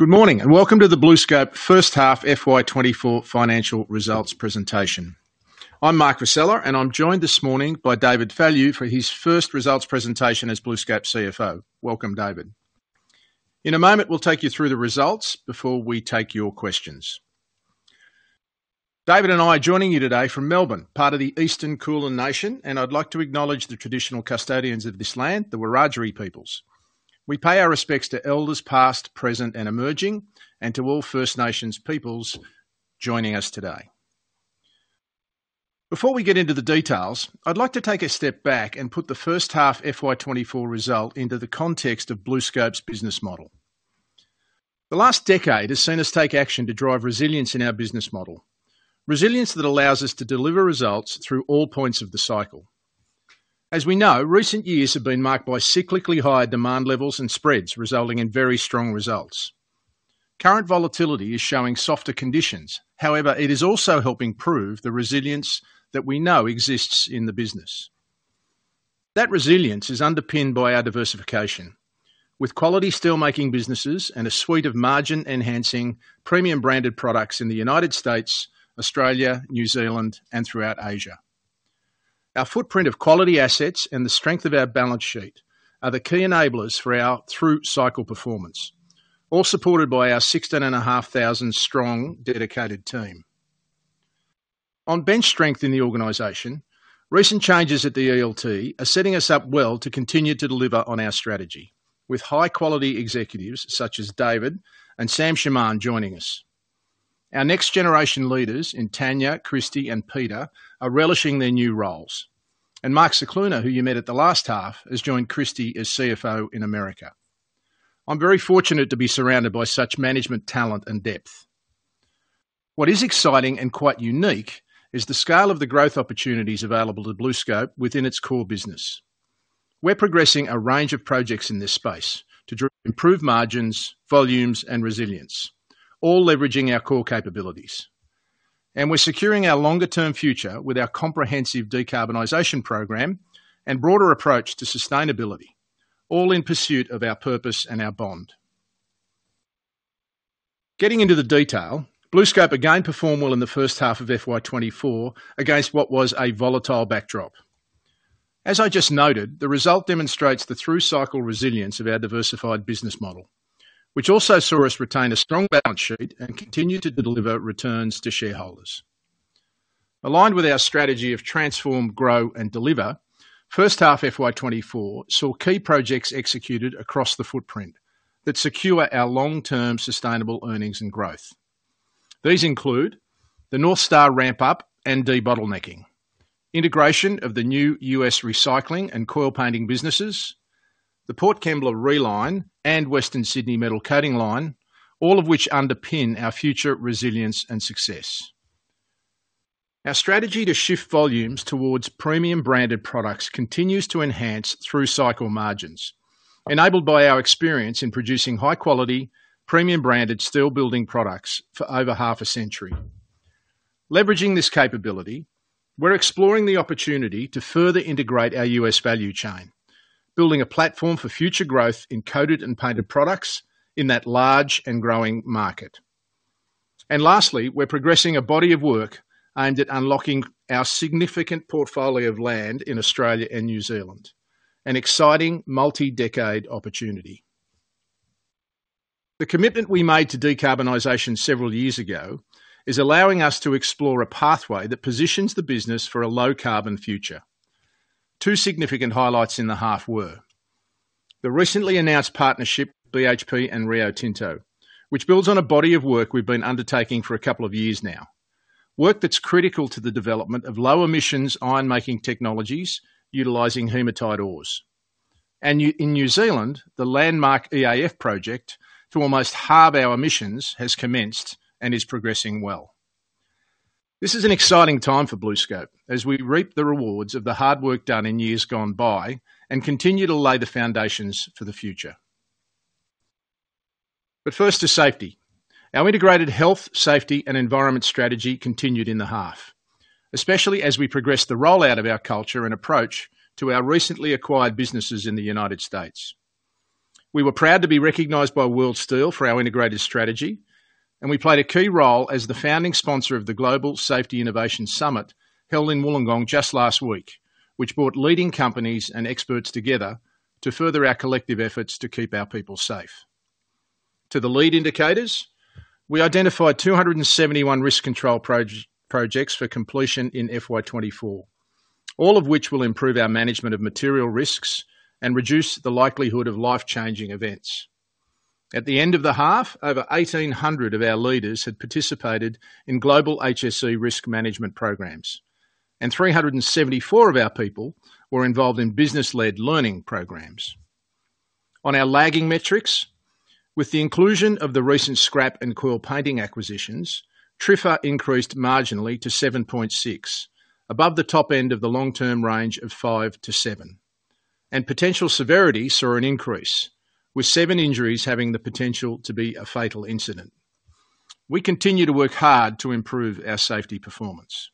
Good morning and welcome to the BlueScope first-half FY2024 financial results presentation. I'm Mark Vassella, and I'm joined this morning by David Fallu for his first results presentation as BlueScope CFO. Welcome, David. In a moment, we'll take you through the results before we take your questions. David and I are joining you today from Melbourne, part of the Eastern Kulin Nation, and I'd like to acknowledge the traditional custodians of this land, the Wiradjuri peoples. We pay our respects to elders past, present, and emerging, and to all First Nations peoples joining us today. Before we get into the details, I'd like to take a step back and put the first-half FY2024 result into the context of BlueScope's business model. The last decade has seen us take action to drive resilience in our business model, resilience that allows us to deliver results through all points of the cycle. As we know, recent years have been marked by cyclically high demand levels and spreads resulting in very strong results. Current volatility is showing softer conditions. However, it is also helping prove the resilience that we know exists in the business. That resilience is underpinned by our diversification, with quality steelmaking businesses and a suite of margin-enhancing premium-branded products in the United States, Australia, New Zealand, and throughout Asia. Our footprint of quality assets and the strength of our balance sheet are the key enablers for our through-cycle performance, all supported by our 16,500-strong dedicated team. On bench strength in the organization, recent changes at the ELT are setting us up well to continue to deliver on our strategy, with high-quality executives such as David and Sam Charmand joining us. Our next-generation leaders in Tania, Kristie, and Peta are relishing their new roles, and Mark Scicluna, who you met at the last half, has joined Kristie as CFO in America. I'm very fortunate to be surrounded by such management talent and depth. What is exciting and quite unique is the scale of the growth opportunities available to BlueScope within its core business. We're progressing a range of projects in this space to improve margins, volumes, and resilience, all leveraging our core capabilities. And we're securing our longer-term future with our comprehensive decarbonization program and broader approach to sustainability, all in pursuit of our purpose and our bond. Getting into the detail, BlueScope again performed well in the first half of FY2024 against what was a volatile backdrop. As I just noted, the result demonstrates the through-cycle resilience of our diversified business model, which also saw us retain a strong balance sheet and continue to deliver returns to shareholders. Aligned with our strategy of transform, grow, and deliver, first-half FY2024 saw key projects executed across the footprint that secure our long-term sustainable earnings and growth. These include the North Star ramp-up and debottlenecking, integration of the new U.S. recycling and coil painting businesses, the Port Kembla reline, and Western Sydney metal coating line, all of which underpin our future resilience and success. Our strategy to shift volumes towards premium-branded products continues to enhance through-cycle margins, enabled by our experience in producing high-quality, premium-branded steel building products for over half a century. Leveraging this capability, we're exploring the opportunity to further integrate our U.S. value chain, building a platform for future growth in coated and painted products in that large and growing market. Lastly, we're progressing a body of work aimed at unlocking our significant portfolio of land in Australia and New Zealand, an exciting multi-decade opportunity. The commitment we made to decarbonization several years ago is allowing us to explore a pathway that positions the business for a low-carbon future. Two significant highlights in the half were the recently announced partnership with BHP and Rio Tinto, which builds on a body of work we've been undertaking for a couple of years now, work that's critical to the development of low-emissions iron-making technologies utilizing hematite ores. In New Zealand, the landmark EAF project to almost halve our emissions has commenced and is progressing well. This is an exciting time for BlueScope as we reap the rewards of the hard work done in years gone by and continue to lay the foundations for the future. But first to safety. Our integrated health, safety, and environment strategy continued in the half, especially as we progressed the rollout of our culture and approach to our recently acquired businesses in the United States. We were proud to be recognized by World Steel for our integrated strategy, and we played a key role as the founding sponsor of the Global Safety Innovation Summit held in Wollongong just last week, which brought leading companies and experts together to further our collective efforts to keep our people safe. To the lead indicators, we identified 271 risk control projects for completion in FY2024, all of which will improve our management of material risks and reduce the likelihood of life-changing events. At the end of the half, over 1,800 of our leaders had participated in global HSE risk management programs, and 374 of our people were involved in business-led learning programs. On our lagging metrics, with the inclusion of the recent scrap and coil painting acquisitions, TRIFR increased marginally to 7.6%, above the top end of the long-term range of 5%-7%. Potential severity saw an increase, with seven injuries having the potential to be a fatal incident. We continue to work hard to improve our safety performance.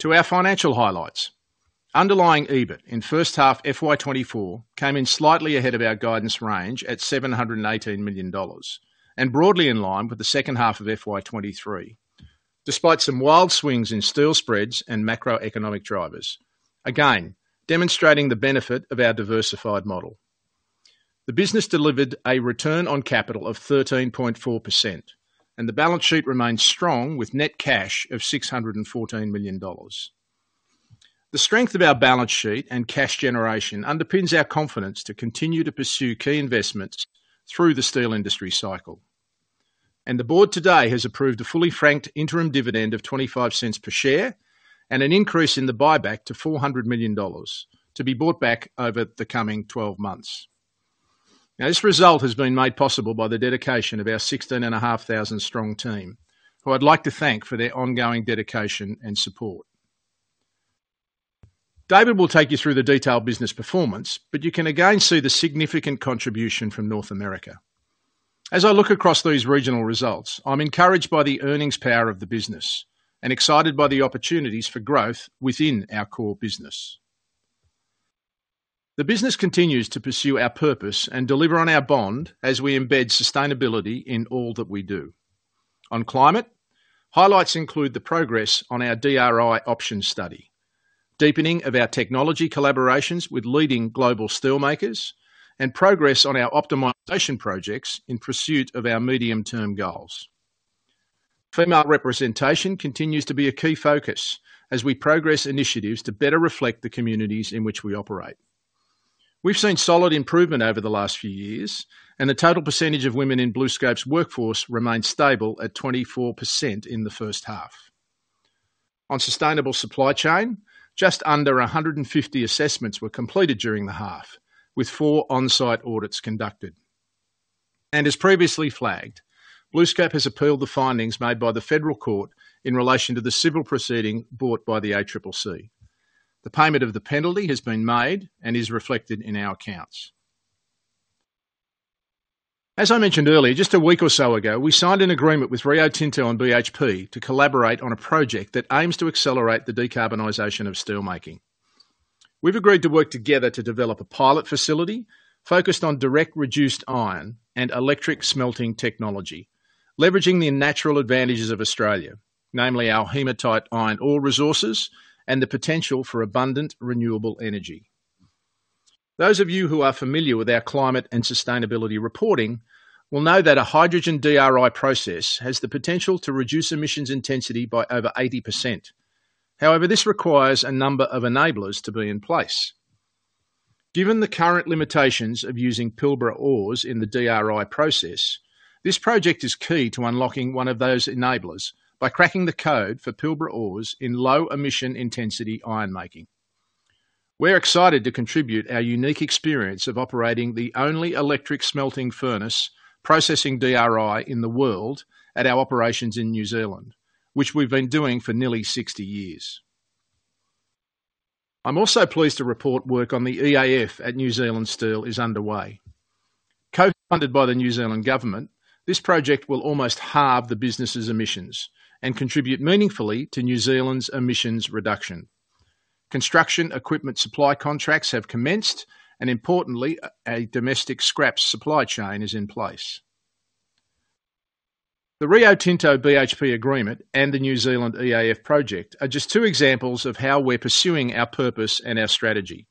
To our financial highlights, underlying EBIT in first-half FY2024 came in slightly ahead of our guidance range at 718 million dollars and broadly in line with the second half of FY2023, despite some wild swings in steel spreads and macroeconomic drivers, again demonstrating the benefit of our diversified model. The business delivered a return on capital of 13.4%, and the balance sheet remains strong with net cash of 614 million dollars. The strength of our balance sheet and cash generation underpins our confidence to continue to pursue key investments through the steel industry cycle. The board today has approved a fully franked interim dividend of 0.25 per share and an increase in the buyback to 400 million dollars to be bought back over the coming 12 months. Now, this result has been made possible by the dedication of our 16,500-strong team, who I'd like to thank for their ongoing dedication and support. David will take you through the detailed business performance, but you can again see the significant contribution from North America. As I look across these regional results, I'm encouraged by the earnings power of the business and excited by the opportunities for growth within our core business. The business continues to pursue our purpose and deliver on our bond as we embed sustainability in all that we do. On climate, highlights include the progress on our DRI options study, deepening of our technology collaborations with leading global steelmakers, and progress on our optimization projects in pursuit of our medium-term goals. Female representation continues to be a key focus as we progress initiatives to better reflect the communities in which we operate. We've seen solid improvement over the last few years, and the total percentage of women in BlueScope's workforce remained stable at 24% in the first half. On sustainable supply chain, just under 150 assessments were completed during the half, with four on-site audits conducted. As previously flagged, BlueScope has appealed the findings made by the federal court in relation to the civil proceeding brought by the ACCC. The payment of the penalty has been made and is reflected in our accounts. As I mentioned earlier, just a week or so ago, we signed an agreement with Rio Tinto and BHP to collaborate on a project that aims to accelerate the decarbonization of steelmaking. We've agreed to work together to develop a pilot facility focused on direct reduced iron and electric smelting technology, leveraging the natural advantages of Australia, namely our hematite iron ore resources and the potential for abundant renewable energy. Those of you who are familiar with our climate and sustainability reporting will know that a hydrogen DRI process has the potential to reduce emissions intensity by over 80%. However, this requires a number of enablers to be in place. Given the current limitations of using Pilbara ores in the DRI process, this project is key to unlocking one of those enablers by cracking the code for Pilbara ores in low-emission intensity iron making. We're excited to contribute our unique experience of operating the only electric smelting furnace processing DRI in the world at our operations in New Zealand, which we've been doing for nearly 60 years. I'm also pleased to report work on the EAF at New Zealand Steel is underway. Co-funded by the New Zealand government, this project will almost halve the business's emissions and contribute meaningfully to New Zealand's emissions reduction. Construction equipment supply contracts have commenced, and importantly, a domestic scraps supply chain is in place. The Rio Tinto BHP agreement and the New Zealand EAF project are just two examples of how we're pursuing our purpose and our strategy.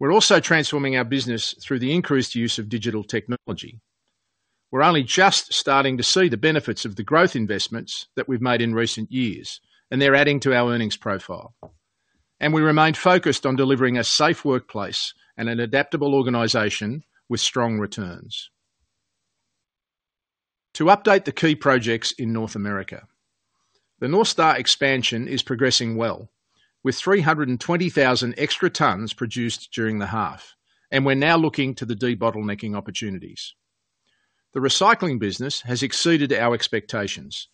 We're also transforming our business through the increased use of digital technology. We're only just starting to see the benefits of the growth investments that we've made in recent years, and they're adding to our earnings profile. We remain focused on delivering a safe workplace and an adaptable organization with strong returns. To update the key projects in North America, the North Star expansion is progressing well, with 320,000 extra tonnes produced during the half, and we're now looking to the debottlenecking opportunities. The recycling business has exceeded our expectations,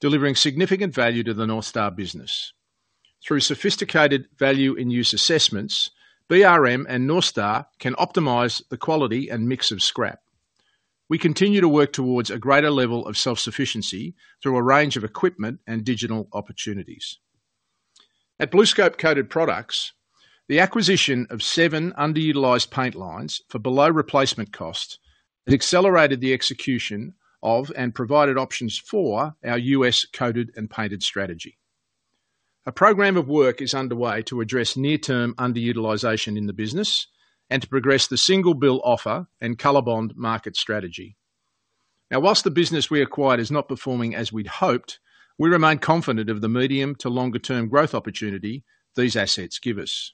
delivering significant value to the North Star business. Through sophisticated value-in-use assessments, BRM and North Star can optimize the quality and mix of scrap. We continue to work towards a greater level of self-sufficiency through a range of equipment and digital opportunities. At BlueScope Coated Products, the acquisition of seven underutilized paint lines for below replacement costs has accelerated the execution of and provided options for our U.S. coated and painted strategy. A program of work is underway to address near-term underutilization in the business and to progress the single-bill offer and COLORBOND market strategy. Now, while the business we acquired is not performing as we'd hoped, we remain confident of the medium to longer-term growth opportunity these assets give us.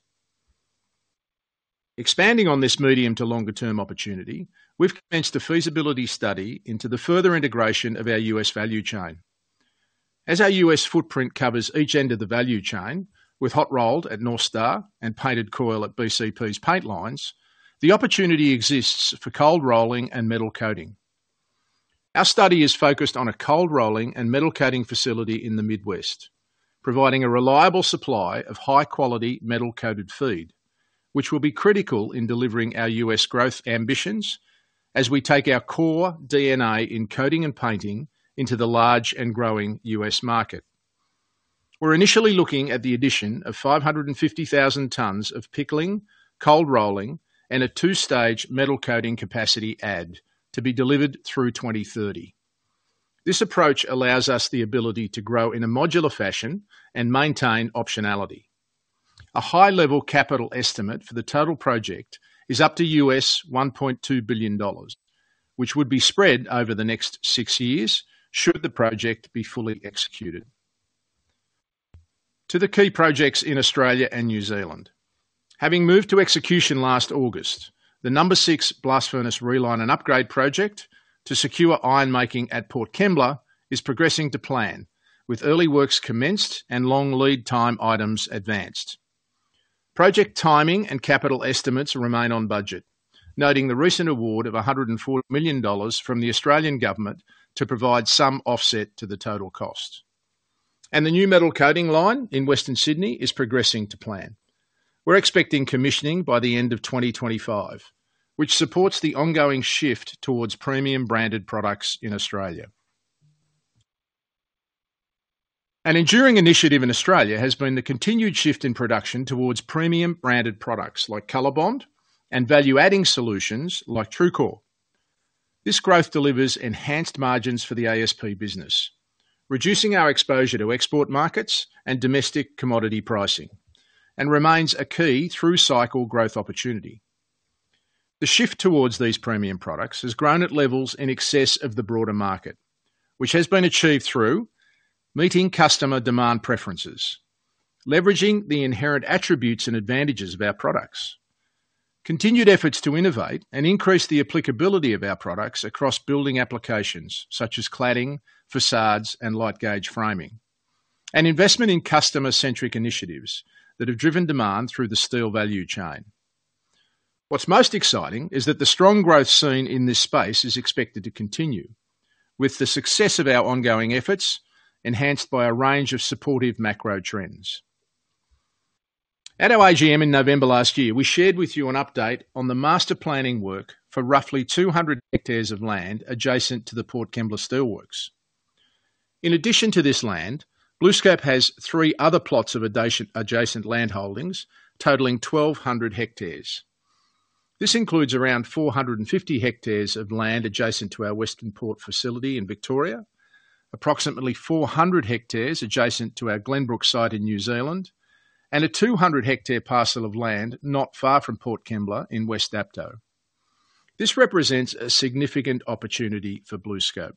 Expanding on this medium to longer-term opportunity, we've commenced a feasibility study into the further integration of our U.S. value chain. As our U.S. footprint covers each end of the value chain, with hot-rolled at North Star and painted coil at BCP's paint lines, the opportunity exists for cold-rolling and metal coating. Our study is focused on a cold-rolling and metal coating facility in the Midwest, providing a reliable supply of high-quality metal-coated feed, which will be critical in delivering our U.S. growth ambitions as we take our core DNA in coating and painting into the large and growing U.S. market. We're initially looking at the addition of 550,000 tonnes of pickling, cold-rolling, and a 2-stage metal coating capacity add to be delivered through 2030. This approach allows us the ability to grow in a modular fashion and maintain optionality. A high-level capital estimate for the total project is up to AUD 1.2 billion, which would be spread over the next six years should the project be fully executed. To the key projects in Australia and New Zealand. Having moved to execution last August, the number six blast furnace reline and upgrade project to secure iron making at Port Kembla is progressing to plan, with early works commenced and long lead time items advanced. Project timing and capital estimates remain on budget, noting the recent award of 140 million dollars from the Australian government to provide some offset to the total cost. The new metal coating line in Western Sydney is progressing to plan. We're expecting commissioning by the end of 2025, which supports the ongoing shift towards premium-branded products in Australia. An enduring initiative in Australia has been the continued shift in production towards premium-branded products like COLORBOND and value-adding solutions like TRUECORE. This growth delivers enhanced margins for the ASP business, reducing our exposure to export markets and domestic commodity pricing, and remains a key through-cycle growth opportunity. The shift towards these premium products has grown at levels in excess of the broader market, which has been achieved through meeting customer demand preferences, leveraging the inherent attributes and advantages of our products, continued efforts to innovate and increase the applicability of our products across building applications such as cladding, façades, and light gauge framing, and investment in customer-centric initiatives that have driven demand through the steel value chain. What's most exciting is that the strong growth seen in this space is expected to continue, with the success of our ongoing efforts enhanced by a range of supportive macro trends. At our AGM in November last year, we shared with you an update on the master planning work for roughly 200 hectares of land adjacent to the Port Kembla Steelworks. In addition to this land, BlueScope has three other plots of adjacent land holdings totaling 1,200 hectares. This includes around 450 hectares of land adjacent to our Western Port facility in Victoria, approximately 400 hectares adjacent to our Glenbrook site in New Zealand, and a 200-hectare parcel of land not far from Port Kembla in West Dapto. This represents a significant opportunity for BlueScope.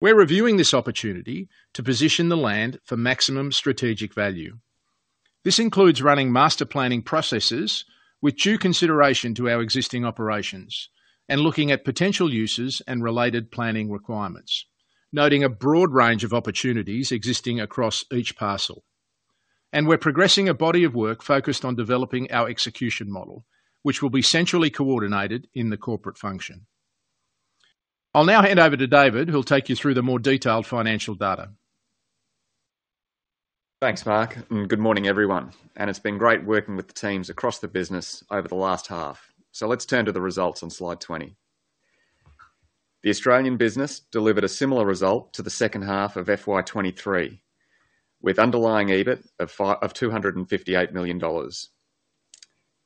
We're reviewing this opportunity to position the land for maximum strategic value. This includes running master planning processes with due consideration to our existing operations and looking at potential uses and related planning requirements, noting a broad range of opportunities existing across each parcel. We're progressing a body of work focused on developing our execution model, which will be centrally coordinated in the corporate function. I'll now hand over to David, who'll take you through the more detailed financial data. Thanks, Mark, and good morning, everyone. It's been great working with the teams across the business over the last half. Let's turn to the results on slide 20. The Australian business delivered a similar result to the second half of FY2023, with underlying EBIT of 258 million dollars.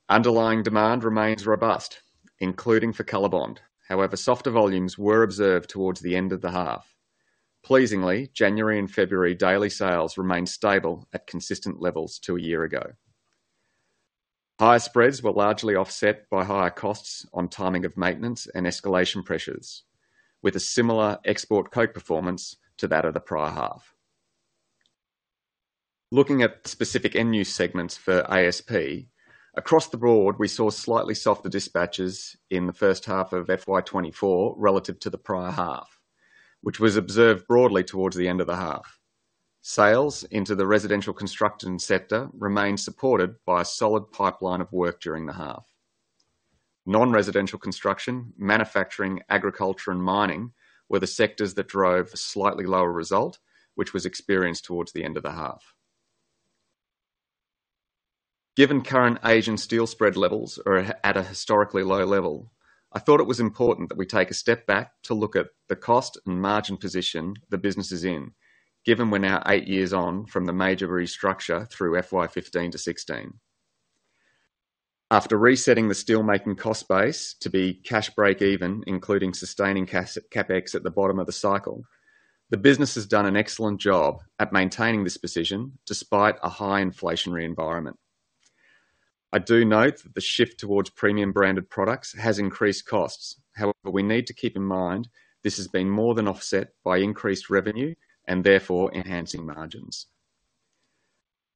Underlying demand remains robust, including for COLORBOND. However, softer volumes were observed towards the end of the half. Pleasingly, January and February daily sales remained stable at consistent levels to a year ago. Higher spreads were largely offset by higher costs on timing of maintenance and escalation pressures, with a similar export coke performance to that of the prior half. Looking at specific end-use segments for ASP, across the board, we saw slightly softer dispatches in the first half of FY2024 relative to the prior half, which was observed broadly towards the end of the half. Sales into the residential construction sector remained supported by a solid pipeline of work during the half. Non-residential construction, manufacturing, agriculture, and mining were the sectors that drove a slightly lower result, which was experienced towards the end of the half. Given current Asian steel spread levels are at a historically low level, I thought it was important that we take a step back to look at the cost and margin position the business is in, given we're now eight years on from the major restructure through FY2015 to 2016. After resetting the steelmaking cost base to be cash break even, including sustaining capex at the bottom of the cycle, the business has done an excellent job at maintaining this position despite a high inflationary environment. I do note that the shift towards premium-branded products has increased costs. However, we need to keep in mind this has been more than offset by increased revenue and therefore enhancing margins.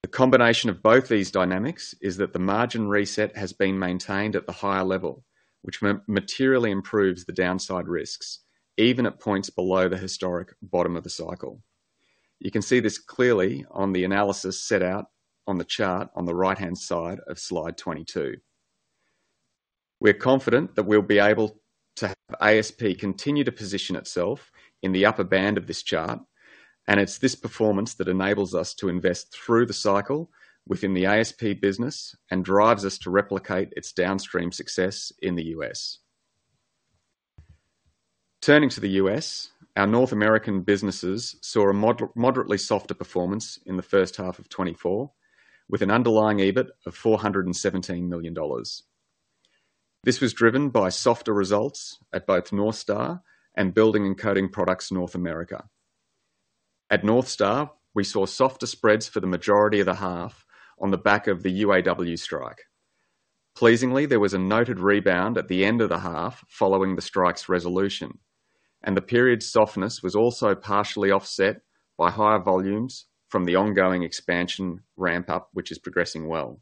The combination of both these dynamics is that the margin reset has been maintained at the higher level, which materially improves the downside risks, even at points below the historic bottom of the cycle. You can see this clearly on the analysis set out on the chart on the right-hand side of slide 22. We're confident that we'll be able to have ASP continue to position itself in the upper band of this chart, and it's this performance that enables us to invest through the cycle within the ASP business and drives us to replicate its downstream success in the U.S. Turning to the U.S., our North American businesses saw a moderately softer performance in the first half of 2024, with an underlying EBIT of 417 million dollars. This was driven by softer results at both North Star and buildings and coated products North America. At North Star, we saw softer spreads for the majority of the half on the back of the UAW strike. Pleasingly, there was a noted rebound at the end of the half following the strike's resolution, and the period's softness was also partially offset by higher volumes from the ongoing expansion ramp-up, which is progressing well.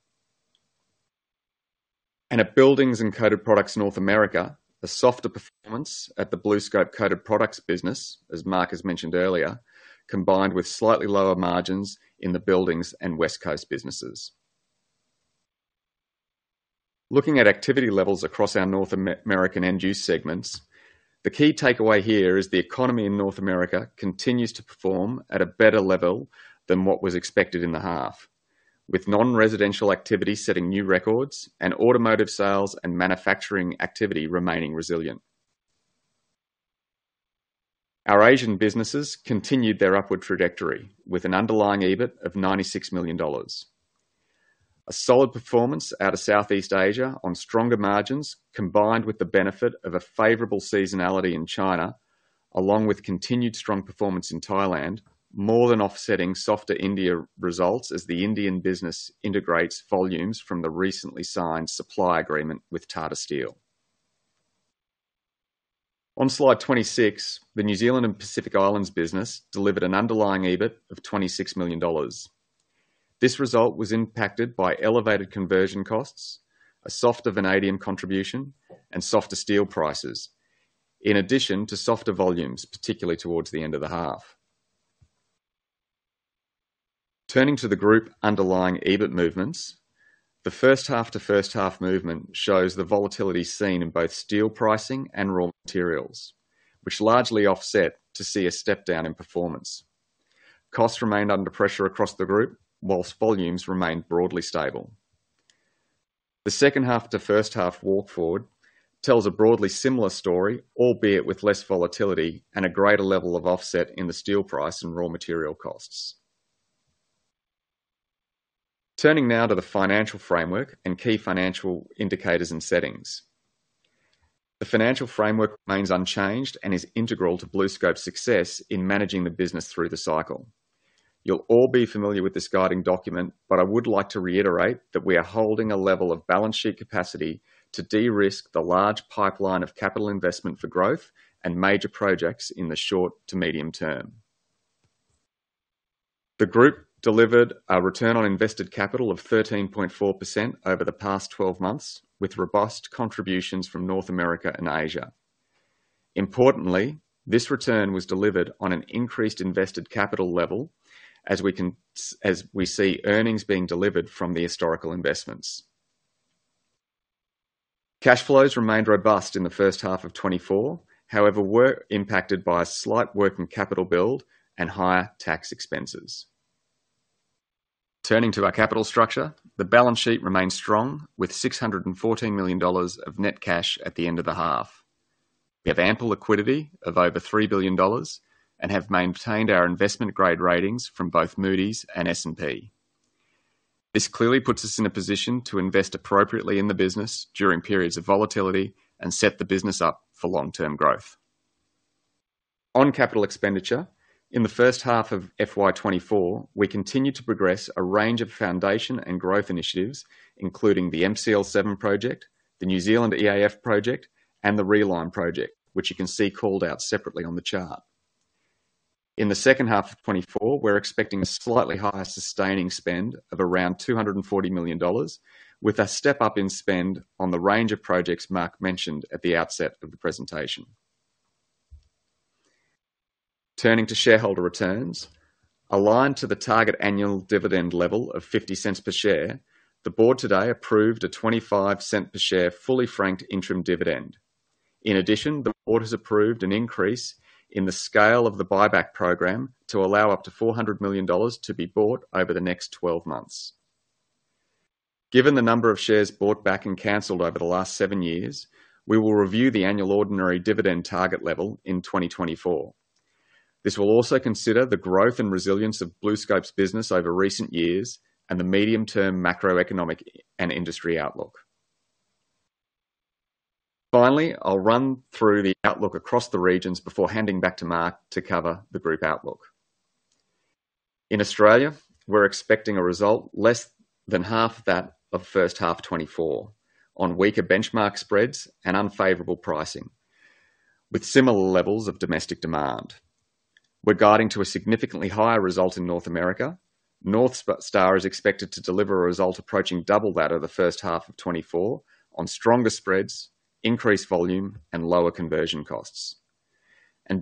And at buildings and coated products North America, a softer performance at the BlueScope Coated Products business, as Mark has mentioned earlier, combined with slightly lower margins in the buildings and West Coast businesses. Looking at activity levels across our North American NU segments, the key takeaway here is the economy in North America continues to perform at a better level than what was expected in the half, with non-residential activity setting new records and automotive sales and manufacturing activity remaining resilient. Our Asian businesses continued their upward trajectory with an underlying EBIT of 96 million dollars. A solid performance out of Southeast Asia on stronger margins, combined with the benefit of a favorable seasonality in China, along with continued strong performance in Thailand, more than offsetting softer India results as the Indian business integrates volumes from the recently signed supply agreement with Tata Steel. On slide 26, the New Zealand and Pacific Islands business delivered an underlying EBIT of 26 million dollars. This result was impacted by elevated conversion costs, a softer vanadium contribution, and softer steel prices, in addition to softer volumes, particularly towards the end of the half. Turning to the group underlying EBIT movements, the first half to first half movement shows the volatility seen in both steel pricing and raw materials, which largely offset to see a step down in performance. Costs remained under pressure across the group, whilst volumes remained broadly stable. The second half to first half walk forward tells a broadly similar story, albeit with less volatility and a greater level of offset in the steel price and raw material costs. Turning now to the financial framework and key financial indicators and settings. The financial framework remains unchanged and is integral to BlueScope's success in managing the business through the cycle. You'll all be familiar with this guiding document, but I would like to reiterate that we are holding a level of balance sheet capacity to de-risk the large pipeline of capital investment for growth and major projects in the short to medium term. The group delivered a return on invested capital of 13.4% over the past 12 months, with robust contributions from North America and Asia. Importantly, this return was delivered on an increased invested capital level as we see earnings being delivered from the historical investments. Cash flows remained robust in the first half of 2024, however impacted by a slight working capital build and higher tax expenses. Turning to our capital structure, the balance sheet remains strong, with 614 million dollars of net cash at the end of the half. We have ample liquidity of over 3 billion dollars and have maintained our investment-grade ratings from both Moody's and S&P. This clearly puts us in a position to invest appropriately in the business during periods of volatility and set the business up for long-term growth. On capital expenditure, in the first half of FY2024, we continue to progress a range of foundation and growth initiatives, including the MCL7 project, the New Zealand EAF project, and the Reline project, which you can see called out separately on the chart. In the second half of 2024, we're expecting a slightly higher sustaining spend of around 240 million dollars, with a step up in spend on the range of projects Mark mentioned at the outset of the presentation. Turning to shareholder returns. Aligned to the target annual dividend level of 0.50 per share, the board today approved a 0.25 per share fully franked interim dividend. In addition, the board has approved an increase in the scale of the buyback program to allow up to 400 million dollars to be bought over the next 12 months. Given the number of shares bought back and cancelled over the last seven years, we will review the annual ordinary dividend target level in 2024. This will also consider the growth and resilience of BlueScope's business over recent years and the medium-term macroeconomic and industry outlook. Finally, I'll run through the outlook across the regions before handing back to Mark to cover the group outlook. In Australia, we're expecting a result less than half that of first half 2024 on weaker benchmark spreads and unfavorable pricing, with similar levels of domestic demand. Regarding to a significantly higher result in North America, North Star is expected to deliver a result approaching double that of the first half of 2024 on stronger spreads, increased volume, and lower conversion costs.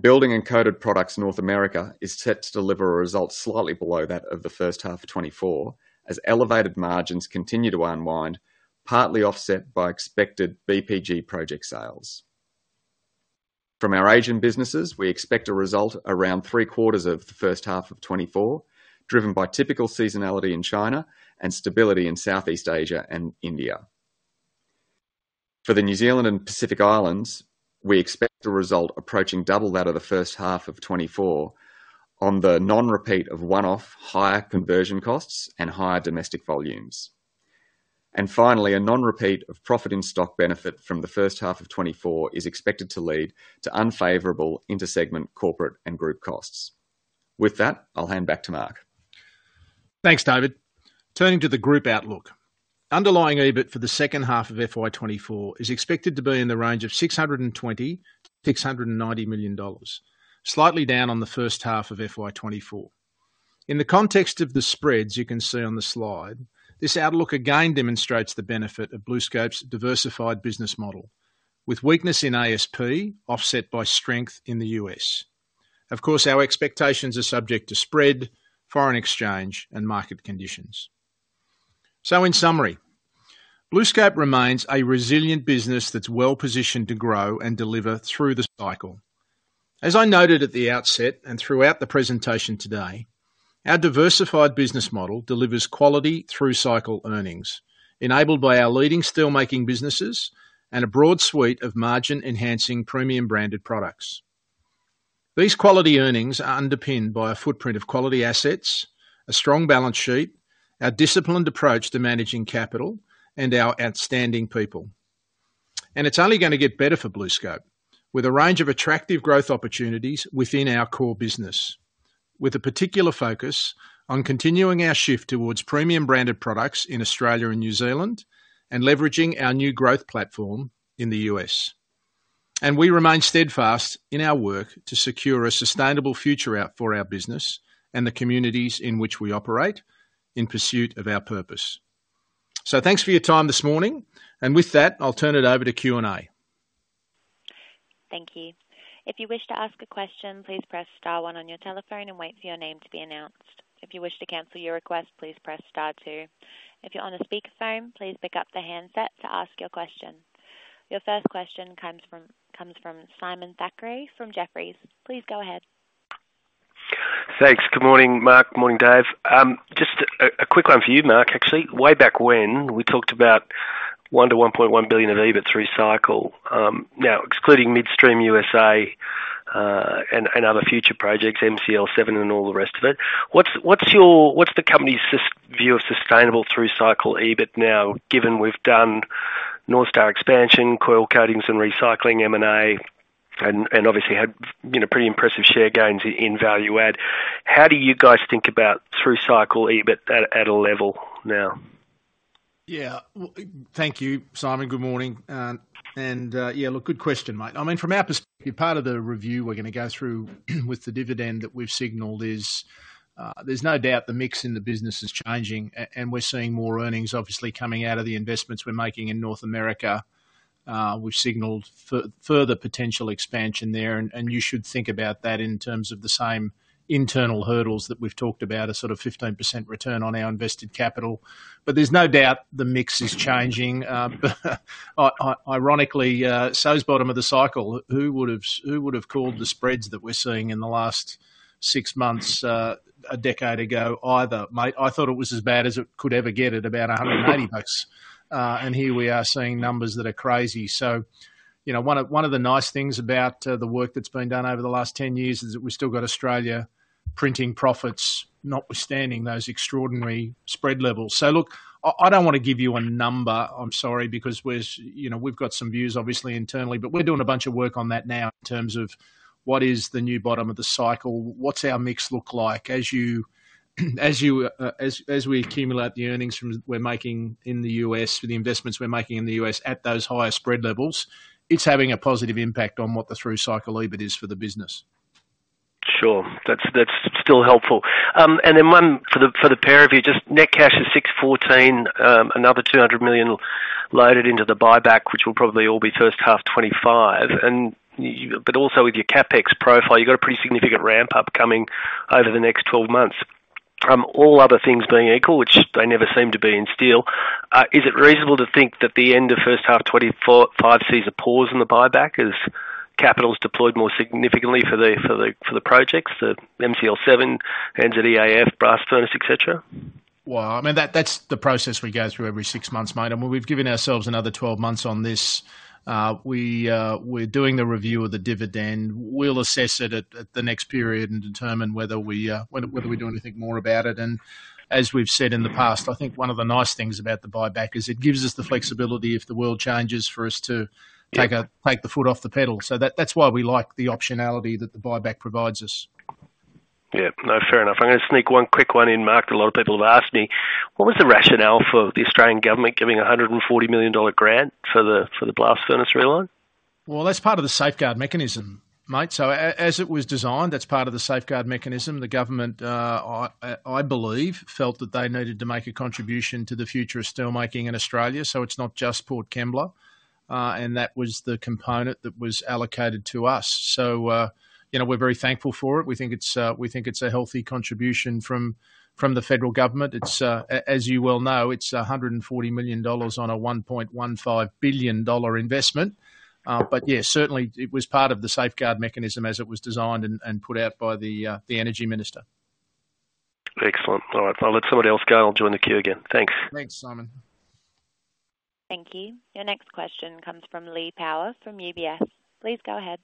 Buildings and Coated Products North America is set to deliver a result slightly below that of the first half of 2024 as elevated margins continue to unwind, partly offset by expected BPG project sales. From our Asian businesses, we expect a result around three-quarters of the first half of 2024, driven by typical seasonality in China and stability in Southeast Asia and India. For the New Zealand and Pacific Islands, we expect a result approaching double that of the first half of 2024 on the non-repeat of one-off higher conversion costs and higher domestic volumes. And finally, a non-repeat of profit in stock benefit from the first half of 2024 is expected to lead to unfavorable intersegment corporate and group costs. With that, I'll hand back to Mark. Thanks, David. Turning to the group outlook. Underlying EBIT for the second half of FY 2024 is expected to be in the range of 620 million-690 million dollars, slightly down on the first half of FY 2024. In the context of the spreads you can see on the slide, this outlook again demonstrates the benefit of BlueScope's diversified business model, with weakness in ASP offset by strength in the U.S. Of course, our expectations are subject to spread, foreign exchange, and market conditions. So in summary, BlueScope remains a resilient business that's well-positioned to grow and deliver through the cycle. As I noted at the outset and throughout the presentation today, our diversified business model delivers quality through-cycle earnings, enabled by our leading steelmaking businesses and a broad suite of margin-enhancing premium-branded products. These quality earnings are underpinned by a footprint of quality assets, a strong balance sheet, our disciplined approach to managing capital, and our outstanding people. It's only going to get better for BlueScope with a range of attractive growth opportunities within our core business, with a particular focus on continuing our shift towards premium-branded products in Australia and New Zealand and leveraging our new growth platform in the U.S. We remain steadfast in our work to secure a sustainable future out for our business and the communities in which we operate in pursuit of our purpose. Thanks for your time this morning, and with that, I'll turn it over to Q&A. Thank you. If you wish to ask a question, please press star one on your telephone and wait for your name to be announced. If you wish to cancel your request, please press star two. If you're on a speakerphone, please pick up the handset to ask your question. Your first question comes from Simon Thackray from Jefferies. Please go ahead. Thanks. Good morning, Mark. Good morning, Dave. Just a quick one for you, Mark, actually. Way back when, we talked about 1 billion-1.1 billion of EBIT through-cycle. Now, excluding midstream USA and other future projects, MCL7 and all the rest of it, what's the company's view of sustainable through-cycle EBIT now, given we've done North Star expansion, coil coatings, and recycling, M&A, and obviously had pretty impressive share gains in value add? How do you guys think about through-cycle EBIT at a level now? Yeah. Thank you, Simon. Good morning. Yeah, look, good question, mate. I mean, from our perspective, part of the review we're going to go through with the dividend that we've signalled is there's no doubt the mix in the business is changing, and we're seeing more earnings, obviously, coming out of the investments we're making in North America. We've signalled further potential expansion there, and you should think about that in terms of the same internal hurdles that we've talked about, a sort of 15% return on our invested capital. But there's no doubt the mix is changing. Ironically, so's bottom of the cycle. Who would have called the spreads that we're seeing in the last six months, a decade ago, either, mate? I thought it was as bad as it could ever get at about 180 bucks, and here we are seeing numbers that are crazy. So one of the nice things about the work that's been done over the last 10 years is that we've still got Australia printing profits notwithstanding those extraordinary spread levels. So look, I don't want to give you a number. I'm sorry because we've got some views, obviously, internally, but we're doing a bunch of work on that now in terms of what is the new bottom of the cycle, what's our mix look like as we accumulate the earnings we're making in the U.S., the investments we're making in the U.S. at those higher spread levels. It's having a positive impact on what the through-cycle EBIT is for the business. Sure. That's still helpful. And then one for the pair of you, just net cash is 614 million, another 200 million loaded into the buyback, which will probably all be first half 2025. But also with your CapEx profile, you've got a pretty significant ramp-up coming over the next 12 months. All other things being equal, which they never seem to be in steel, is it reasonable to think that the end of first half 2025 sees a pause in the buyback as capital's deployed more significantly for the projects, the MCL7, North Star EAF, blast furnace, etc.? Well, I mean, that's the process we go through every six months, mate. And when we've given ourselves another 12 months on this, we're doing the review of the dividend. We'll assess it at the next period and determine whether we do anything more about it. And as we've said in the past, I think one of the nice things about the buyback is it gives us the flexibility if the world changes for us to take the foot off the pedal. So that's why we like the optionality that the buyback provides us. Yeah. No, fair enough. I'm going to sneak one quick one in, Mark. A lot of people have asked me, what was the rationale for the Australian government giving a 140 million dollar grant for the blast furnace reline? Well, that's part of the safeguard mechanism, mate. So as it was designed, that's part of the safeguard mechanism. The government, I believe, felt that they needed to make a contribution to the future of steelmaking in Australia. So it's not just Port Kembla, and that was the component that was allocated to us. So we're very thankful for it. We think it's a healthy contribution from the federal government. As you well know, it's 140 million dollars on a 1.15 billion dollar investment. But yeah, certainly it was part of the safeguard mechanism as it was designed and put out by the energy minister. Excellent. All right. I'll let somebody else go. I'll join the queue again. Thanks. Thanks, Simon. Thank you. Your next question comes from Lee Power from UBS. Please go ahead.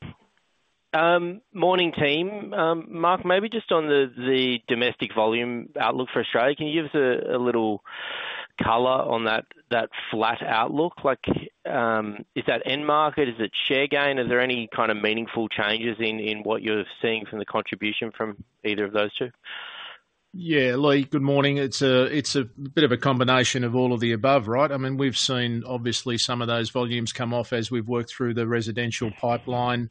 Morning, team. Mark, maybe just on the domestic volume outlook for Australia, can you give us a little color on that flat outlook? Is that end market? Is it share gain? Are there any kind of meaningful changes in what you're seeing from the contribution from either of those two? Yeah, Lee, good morning. It's a bit of a combination of all of the above, right? I mean, we've seen, obviously, some of those volumes come off as we've worked through the residential pipeline.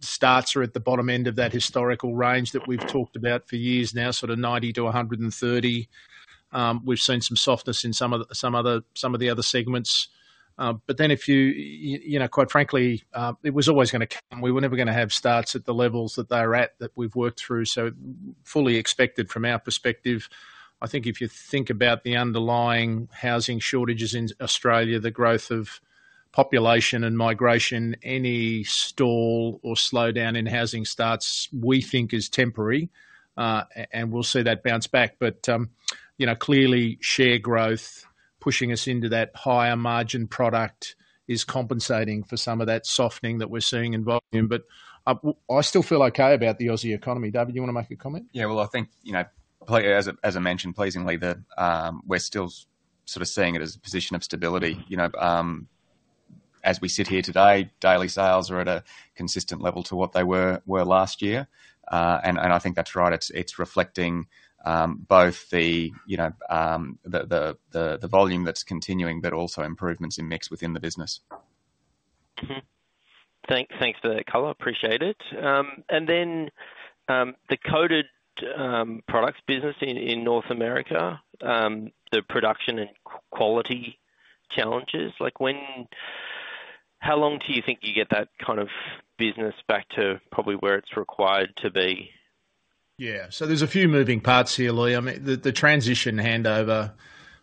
Starts are at the bottom end of that historical range that we've talked about for years now, sort of 90-130. We've seen some softness in some of the other segments. But then if you quite frankly, it was always going to come. We were never going to have starts at the levels that they're at that we've worked through. So fully expected from our perspective, I think if you think about the underlying housing shortages in Australia, the growth of population and migration, any stall or slowdown in housing starts, we think is temporary, and we'll see that bounce back. But clearly, share growth pushing us into that higher margin product is compensating for some of that softening that we're seeing in volume. But I still feel okay about the Aussie economy. David, you want to make a comment? Yeah. Well, I think, as I mentioned pleasingly, we're still sort of seeing it as a position of stability. As we sit here today, daily sales are at a consistent level to what they were last year. I think that's right. It's reflecting both the volume that's continuing but also improvements in mix within the business. Thanks for that color. Appreciate it. And then the coated products business in North America, the production and quality challenges, how long do you think you get that kind of business back to probably where it's required to be? Yeah. So there's a few moving parts here, Lee. I mean, the transition handover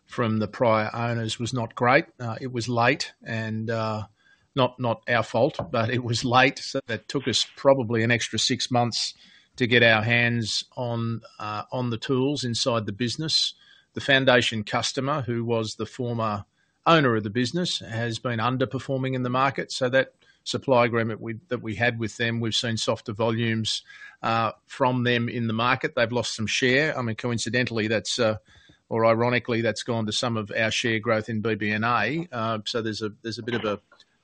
from the prior owners was not great. It was late. And not our fault, but it was late. So that took us probably an extra six months to get our hands on the tools inside the business. The foundation customer, who was the former owner of the business, has been underperforming in the market. So that supply agreement that we had with them, we've seen softer volumes from them in the market. They've lost some share. I mean, coincidentally, or ironically, that's gone to some of our share growth in BNA. So there's a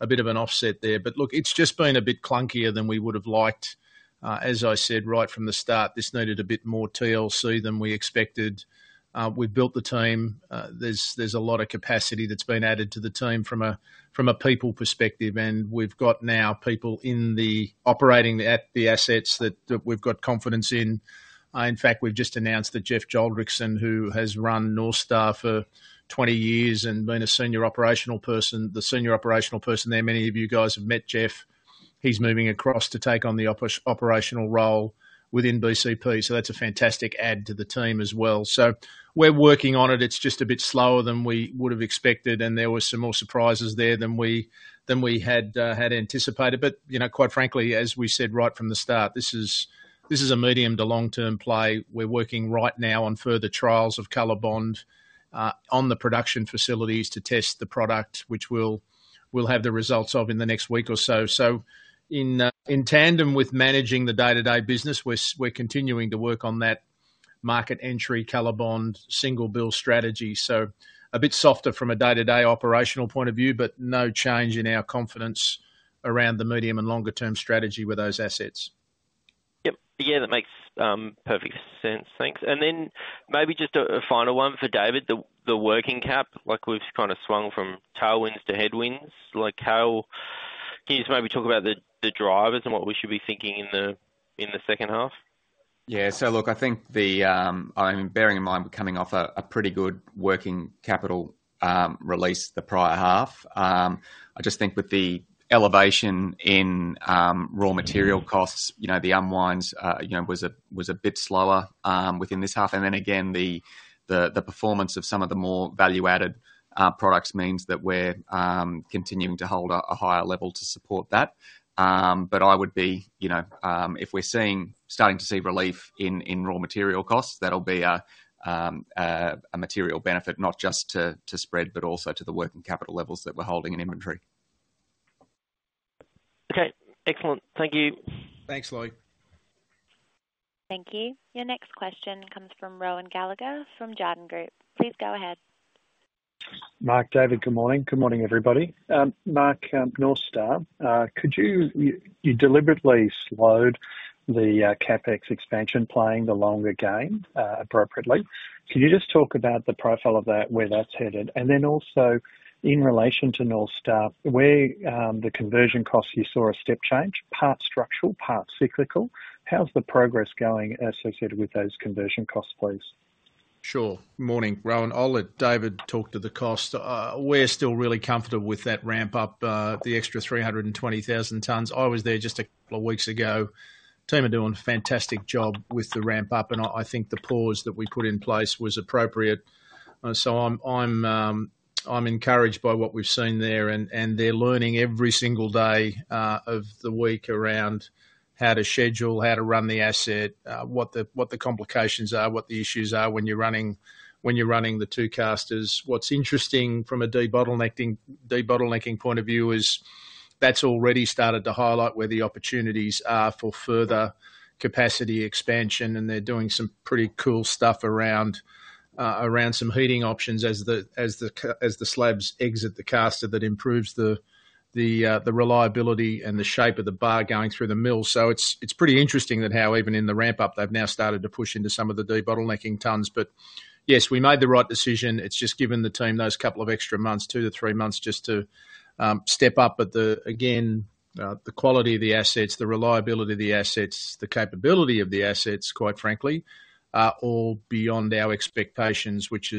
bit of an offset there. But look, it's just been a bit clunkier than we would have liked. As I said right from the start, this needed a bit more TLC than we expected. We've built the team. There's a lot of capacity that's been added to the team from a people perspective. We've got now people operating at the assets that we've got confidence in. In fact, we've just announced that Jeff Joldrichsen, who has run North Star for 20 years and been a senior operational person, the senior operational person there, many of you guys have met Jeff. He's moving across to take on the operational role within BCP. So that's a fantastic add to the team as well. We're working on it. It's just a bit slower than we would have expected. There were some more surprises there than we had anticipated. But quite frankly, as we said right from the start, this is a medium to long-term play. We're working right now on further trials of COLORBOND on the production facilities to test the product, which we'll have the results of in the next week or so. So in tandem with managing the day-to-day business, we're continuing to work on that market entry COLORBOND single bill strategy. So a bit softer from a day-to-day operational point of view, but no change in our confidence around the medium and longer-term strategy with those assets. Yep. Yeah, that makes perfect sense. Thanks. And then maybe just a final one for David, the working cap, we've kind of swung from tailwinds to headwinds. Can you just maybe talk about the drivers and what we should be thinking in the second half? Yeah. So look, I think I mean, bearing in mind we're coming off a pretty good working capital release the prior half, I just think with the elevation in raw material costs, the unwinds was a bit slower within this half. And then again, the performance of some of the more value-added products means that we're continuing to hold a higher level to support that. But I would be if we're starting to see relief in raw material costs, that'll be a material benefit, not just to spread but also to the working capital levels that we're holding in inventory. Okay. Excellent. Thank you. Thanks, Lee. Thank you. Your next question comes from Rohan Gallagher from Jarden Group. Please go ahead. Mark, David, good morning. Good morning, everybody. Mark, North Star, you deliberately slowed the CapEx expansion playing the longer game appropriately. Can you just talk about the profile of that, where that's headed? And then also in relation to North Star, where the conversion costs, you saw a step change, part structural, part cyclical. How's the progress going associated with those conversion costs, please? Sure. Morning, Rohan. David talked to the cost. We're still really comfortable with that ramp-up, the extra 320,000 tonnes. I was there just a couple of weeks ago. Team are doing a fantastic job with the ramp-up, and I think the pause that we put in place was appropriate. So I'm encouraged by what we've seen there, and they're learning every single day of the week around how to schedule, how to run the asset, what the complications are, what the issues are when you're running the two casters. What's interesting from a debottlenecking point of view is that's already started to highlight where the opportunities are for further capacity expansion. And they're doing some pretty cool stuff around some heating options as the slabs exit the caster that improves the reliability and the shape of the bar going through the mill. So it's pretty interesting that how even in the ramp-up, they've now started to push into some of the debottlenecking tons. But yes, we made the right decision. It's just given the team those couple of extra months, 2-3 months, just to step up. But again, the quality of the assets, the reliability of the assets, the capability of the assets, quite frankly, all beyond our expectations, which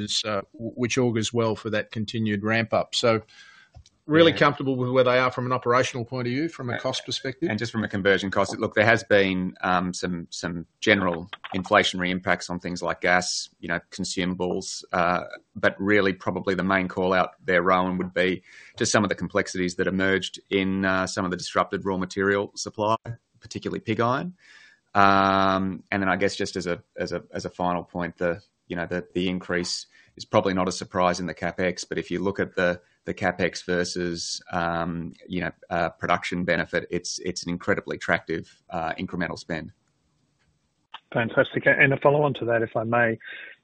augurs well for that continued ramp-up. So really comfortable with where they are from an operational point of view, from a cost perspective. Just from a conversion cost, look, there has been some general inflationary impacts on things like gas, consumables. But really probably the main callout there, Rohan, would be to some of the complexities that emerged in some of the disrupted raw material supply, particularly pig iron. And then I guess just as a final point, the increase is probably not a surprise in the CapEx. But if you look at the CapEx versus production benefit, it's an incredibly attractive incremental spend. Fantastic. And a follow-on to that, if I may,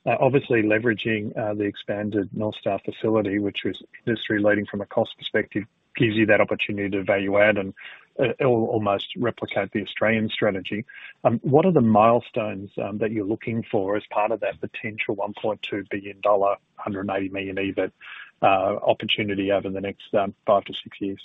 obviously leveraging the expanded North Star facility, which was industry-leading from a cost perspective, gives you that opportunity to value add and almost replicate the Australian strategy. What are the milestones that you're looking for as part of that potential 1.2 billion dollar, 180 million EBIT opportunity over the next five to six years?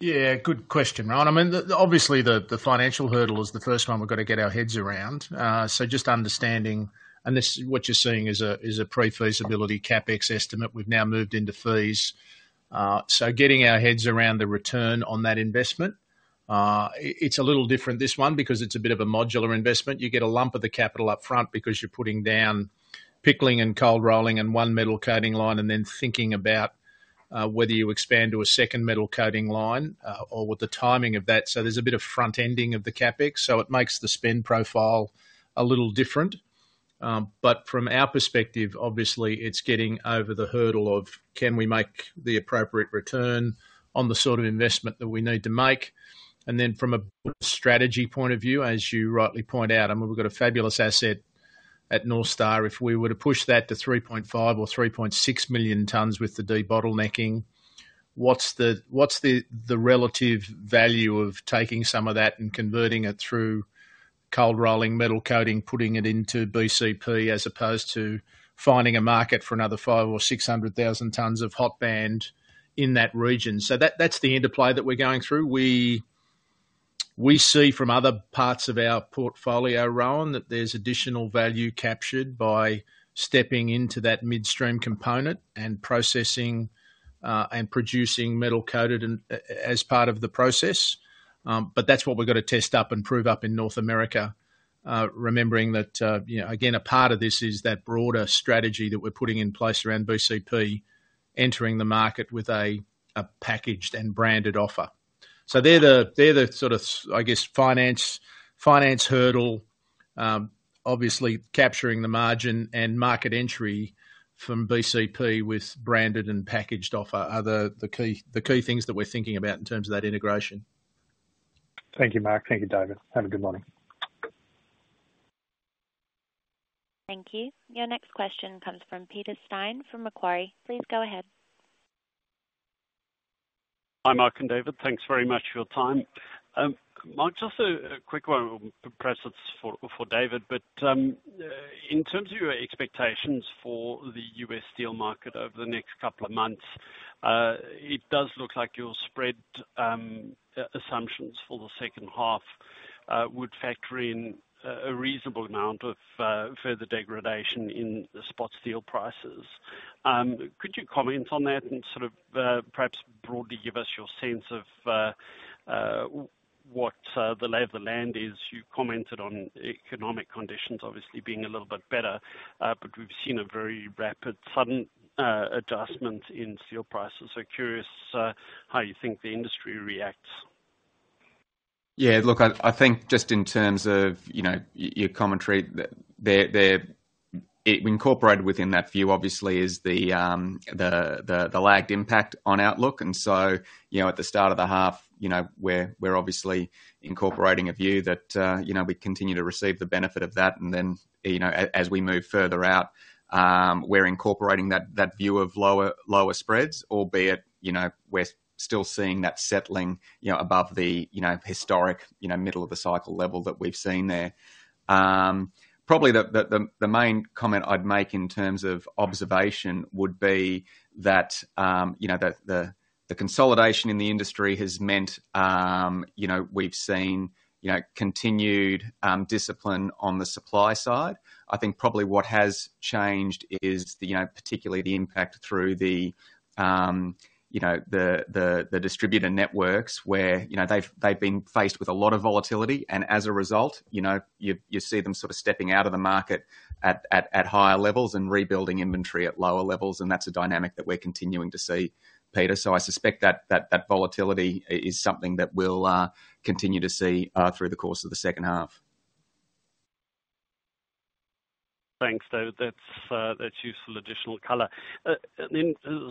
Yeah, good question, Rohan. I mean, obviously, the financial hurdle is the first one we've got to get our heads around. So just understanding, and what you're seeing is a pre-feasibility CapEx estimate. We've now moved into feasibility. So getting our heads around the return on that investment, it's a little different this one because it's a bit of a modular investment. You get a lump of the capital upfront because you're putting down pickling and cold-rolling and one metal coating line and then thinking about whether you expand to a second metal coating line or what the timing of that. So there's a bit of front-ending of the CapEx. So it makes the spend profile a little different. But from our perspective, obviously, it's getting over the hurdle of can we make the appropriate return on the sort of investment that we need to make? Then from a strategy point of view, as you rightly point out, I mean, we've got a fabulous asset at North Star. If we were to push that to 3.5 or 3.6 million tonnes with the debottlenecking, what's the relative value of taking some of that and converting it through cold rolling, metal coating, putting it into BCP, as opposed to finding a market for another 500,000 or 600,000 tonnes of hot band in that region? So that's the interplay that we're going through. We see from other parts of our portfolio, Rohan, that there's additional value captured by stepping into that midstream component and processing and producing metal coated as part of the process. But that's what we've got to test up and prove up in North America, remembering that, again, a part of this is that broader strategy that we're putting in place around BCP, entering the market with a packaged and branded offer. So they're the sort of, I guess, finance hurdle, obviously, capturing the margin and market entry from BCP with branded and packaged offer are the key things that we're thinking about in terms of that integration. Thank you, Mark. Thank you, David. Have a good morning. Thank you. Your next question comes from Peter Steyn from Macquarie. Please go ahead. Hi, Mark and David. Thanks very much for your time. Mark, just a quick one precisely for David. But in terms of your expectations for the U.S. steel market over the next couple of months, it does look like your spread assumptions for the second half would factor in a reasonable amount of further degradation in the spot steel prices. Could you comment on that and sort of perhaps broadly give us your sense of what the lay of the land is? You commented on economic conditions, obviously, being a little bit better. But we've seen a very rapid, sudden adjustment in steel prices. So curious how you think the industry reacts. Yeah. Look, I think just in terms of your commentary, we incorporated within that view, obviously, is the lagged impact on outlook. And so at the start of the half, we're obviously incorporating a view that we continue to receive the benefit of that. And then as we move further out, we're incorporating that view of lower spreads, albeit we're still seeing that settling above the historic middle of the cycle level that we've seen there. Probably the main comment I'd make in terms of observation would be that the consolidation in the industry has meant we've seen continued discipline on the supply side. I think probably what has changed is particularly the impact through the distributor networks where they've been faced with a lot of volatility. And as a result, you see them sort of stepping out of the market at higher levels and rebuilding inventory at lower levels. That's a dynamic that we're continuing to see, Peter. I suspect that volatility is something that we'll continue to see through the course of the second half. Thanks, David. That's useful additional color.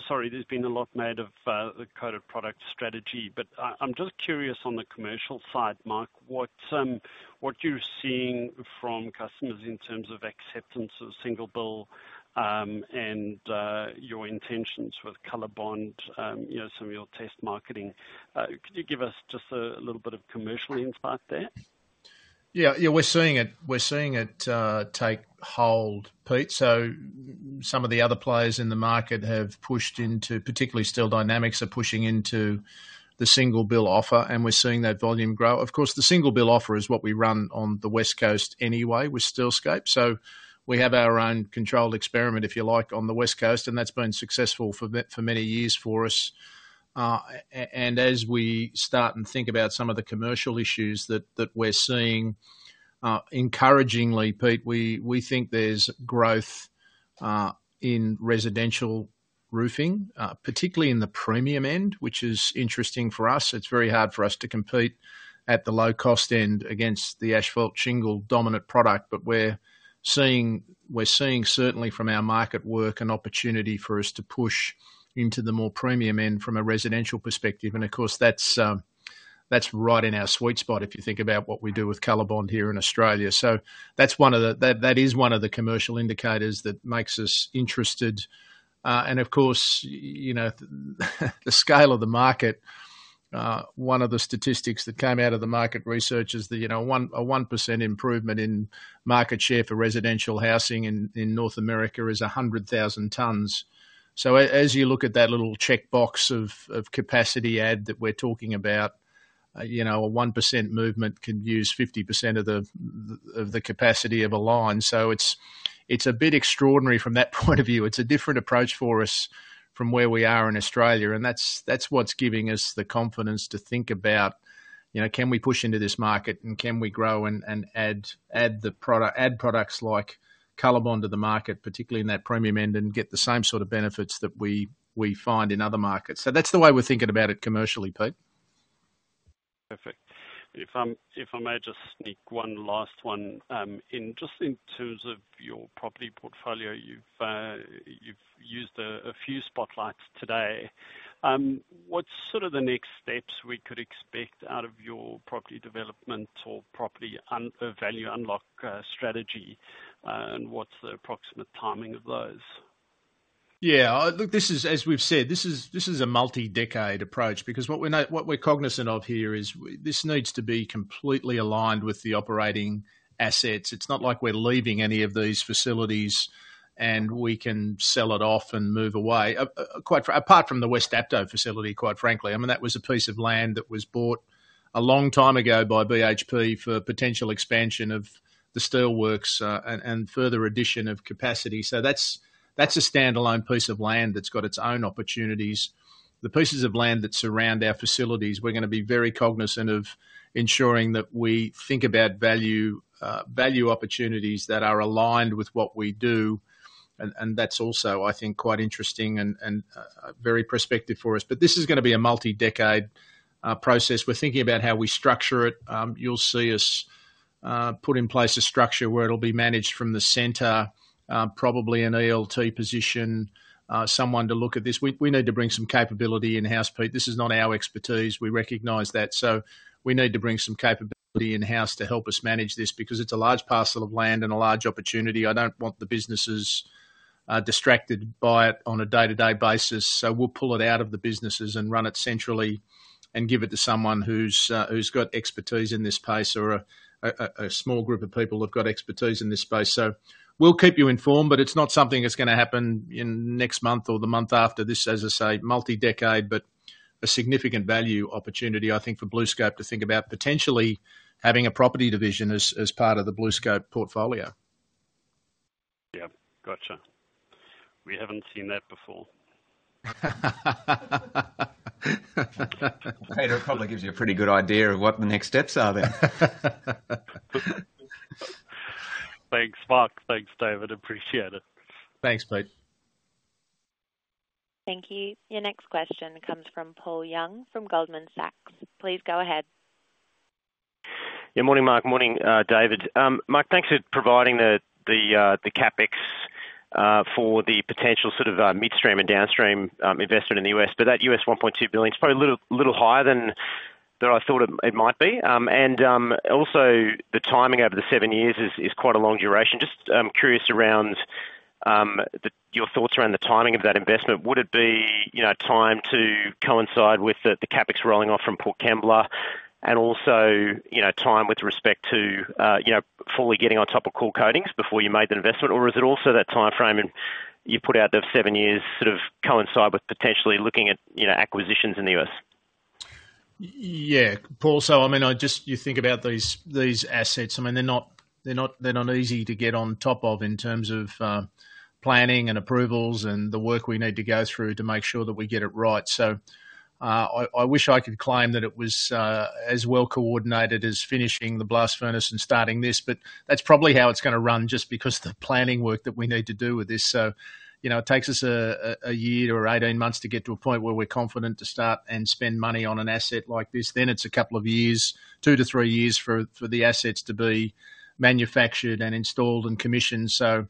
Sorry, there's been a lot made of the coated product strategy. But I'm just curious on the commercial side, Mark, what you're seeing from customers in terms of acceptance of single bill and your intentions with COLORBOND, some of your test marketing. Could you give us just a little bit of commercial insight there? Yeah. Yeah, we're seeing it take hold, Pete. So some of the other players in the market have pushed into, particularly Steel Dynamics are pushing into the single bill offer. And we're seeing that volume grow. Of course, the single bill offer is what we run on the West Coast anyway with Steelscape. So we have our own controlled experiment, if you like, on the West Coast. And that's been successful for many years for us. And as we start and think about some of the commercial issues that we're seeing, encouragingly, Pete, we think there's growth in residential roofing, particularly in the premium end, which is interesting for us. It's very hard for us to compete at the low-cost end against the asphalt shingle dominant product. But we're seeing, certainly from our market work, an opportunity for us to push into the more premium end from a residential perspective. And of course, that's right in our sweet spot if you think about what we do with COLORBOND here in Australia. So that's one of the commercial indicators that makes us interested. And of course, the scale of the market, one of the statistics that came out of the market research is that a 1% improvement in market share for residential housing in North America is 100,000 tonnes. So as you look at that little checkbox of capacity add that we're talking about, a 1% movement can use 50% of the capacity of a line. So it's a bit extraordinary from that point of view. It's a different approach for us from where we are in Australia. That's what's giving us the confidence to think about can we push into this market and can we grow and add the products like COLORBOND to the market, particularly in that premium end, and get the same sort of benefits that we find in other markets. That's the way we're thinking about it commercially, Pete. Perfect. If I may just sneak one last one in just in terms of your property portfolio, you've used a few spotlights today. What's sort of the next steps we could expect out of your property development or property value unlock strategy? And what's the approximate timing of those? Yeah. Look, as we've said, this is a multi-decade approach because what we're cognizant of here is this needs to be completely aligned with the operating assets. It's not like we're leaving any of these facilities and we can sell it off and move away, apart from the West Dapto facility, quite frankly. I mean, that was a piece of land that was bought a long time ago by BHP for potential expansion of the steelworks and further addition of capacity. So that's a standalone piece of land that's got its own opportunities. The pieces of land that surround our facilities, we're going to be very cognizant of ensuring that we think about value opportunities that are aligned with what we do. And that's also, I think, quite interesting and very prospective for us. But this is going to be a multi-decade process. We're thinking about how we structure it. You'll see us put in place a structure where it'll be managed from the center, probably an ELT position, someone to look at this. We need to bring some capability in-house, Pete. This is not our expertise. We recognize that. So we need to bring some capability in-house to help us manage this because it's a large parcel of land and a large opportunity. I don't want the businesses distracted by it on a day-to-day basis. So we'll pull it out of the businesses and run it centrally and give it to someone who's got expertise in this space or a small group of people who've got expertise in this space. So we'll keep you informed, but it's not something that's going to happen next month or the month after this, as I say, multi-decade, but a significant value opportunity, I think, for BlueScope to think about potentially having a property division as part of the BlueScope portfolio. Yeah, gotcha. We haven't seen that before. Peta probably gives you a pretty good idea of what the next steps are then. Thanks, Mark. Thanks, David. Appreciate it. Thanks, Pete. Thank you. Your next question comes from Paul Young from Goldman Sachs. Please go ahead. Good morning, Mark. Good morning, David. Mark, thanks for providing the CapEx for the potential sort of midstream and downstream investment in the U.S. But that 1.2 billion, it's probably a little higher than I thought it might be. And also, the timing over the seven years is quite a long duration. Just curious around your thoughts around the timing of that investment. Would it be time to coincide with the CapEx rolling off from Port Kembla and also time with respect to fully getting on top of coil coatings before you made the investment? Or is it also that timeframe you put out of seven years sort of coincide with potentially looking at acquisitions in the U.S.? Yeah, Paul. So I mean, you think about these assets. I mean, they're not easy to get on top of in terms of planning and approvals and the work we need to go through to make sure that we get it right. So I wish I could claim that it was as well coordinated as finishing the blast furnace and starting this. But that's probably how it's going to run just because of the planning work that we need to do with this. So it takes us a year or 18 months to get to a point where we're confident to start and spend money on an asset like this. Then it's a couple of years, two to three years for the assets to be manufactured and installed and commissioned. So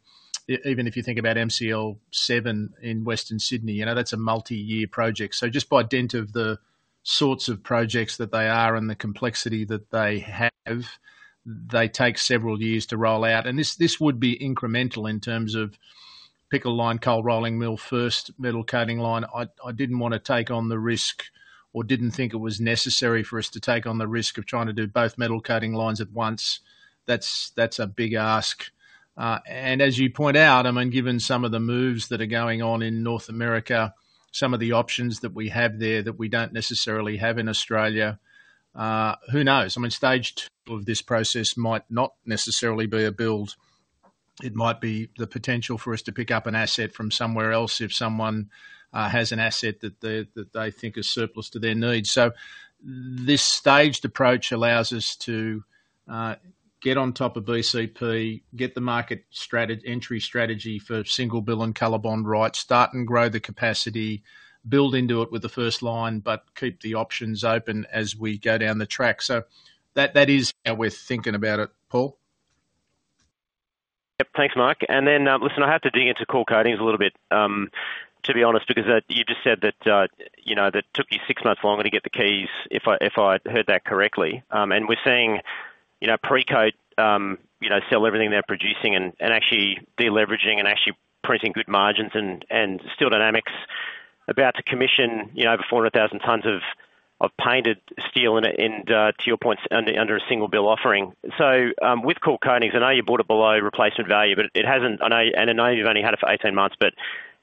even if you think about MCL7 in Western Sydney, that's a multi-year project. So just by dint of the sorts of projects that they are and the complexity that they have, they take several years to roll out. And this would be incremental in terms of pickle line, cold rolling mill first, metal coating line. I didn't want to take on the risk or didn't think it was necessary for us to take on the risk of trying to do both metal coating lines at once. That's a big ask. And as you point out, I mean, given some of the moves that are going on in North America, some of the options that we have there that we don't necessarily have in Australia, who knows? I mean, stage two of this process might not necessarily be a build. It might be the potential for us to pick up an asset from somewhere else if someone has an asset that they think is surplus to their needs. So this staged approach allows us to get on top of BCP, get the market entry strategy for single bill and COLORBOND right, start and grow the capacity, build into it with the first line, but keep the options open as we go down the track. So that is how we're thinking about it, Paul. Yep, thanks, Mark. Then listen, I have to dig into coil coatings a little bit, to be honest, because you just said that it took you six months longer to get the keys, if I heard that correctly. And we're seeing Precoat sell everything they're producing and actually deleveraging and actually printing good margins and Steel Dynamics about to commission over 400,000 tonnes of painted steel, to your point, under a single build offering. So with coil coatings, I know you bought it below replacement value, but it hasn't and I know you've only had it for 18 months, but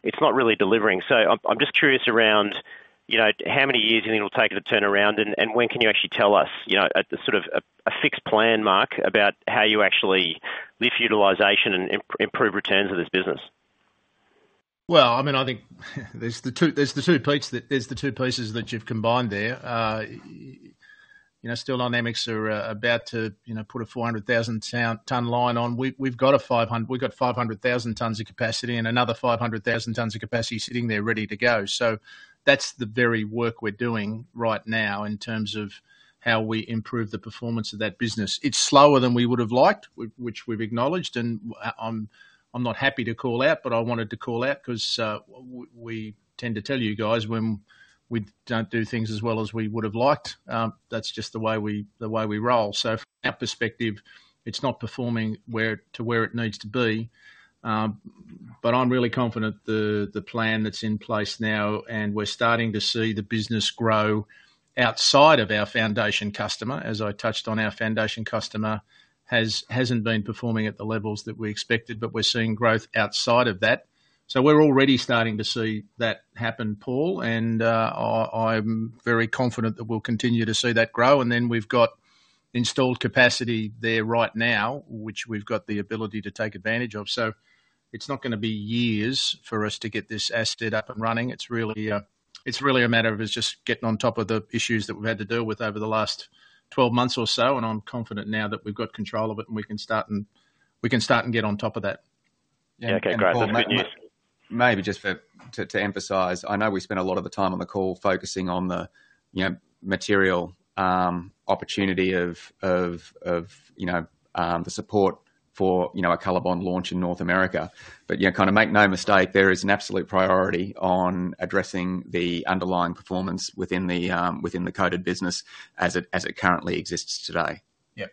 it's not really delivering. So I'm just curious around how many years you think it'll take it to turn around and when can you actually tell us sort of a fixed plan, Mark, about how you actually lift utilization and improve returns of this business? Well, I mean, I think there's the two, Pete, there's the two pieces that you've combined there. Steel Dynamics are about to put a 400,000-tonne line on. We've got 500,000 tonnes of capacity and another 500,000 tonnes of capacity sitting there ready to go. So that's the very work we're doing right now in terms of how we improve the performance of that business. It's slower than we would have liked, which we've acknowledged. And I'm not happy to call out, but I wanted to call out because we tend to tell you guys when we don't do things as well as we would have liked, that's just the way we roll. So from our perspective, it's not performing to where it needs to be. But I'm really confident the plan that's in place now and we're starting to see the business grow outside of our foundation customer, as I touched on, our foundation customer hasn't been performing at the levels that we expected, but we're seeing growth outside of that. So we're already starting to see that happen, Paul. And I'm very confident that we'll continue to see that grow. And then we've got installed capacity there right now, which we've got the ability to take advantage of. So it's not going to be years for us to get this asset up and running. It's really a matter of us just getting on top of the issues that we've had to deal with over the last 12 months or so. And I'm confident now that we've got control of it and we can start and get on top of that. Okay, great. That's good news. Maybe just to emphasize, I know we spent a lot of the time on the call focusing on the material opportunity of the support for a COLORBOND launch in North America. But kind of make no mistake, there is an absolute priority on addressing the underlying performance within the coated business as it currently exists today. Yeah.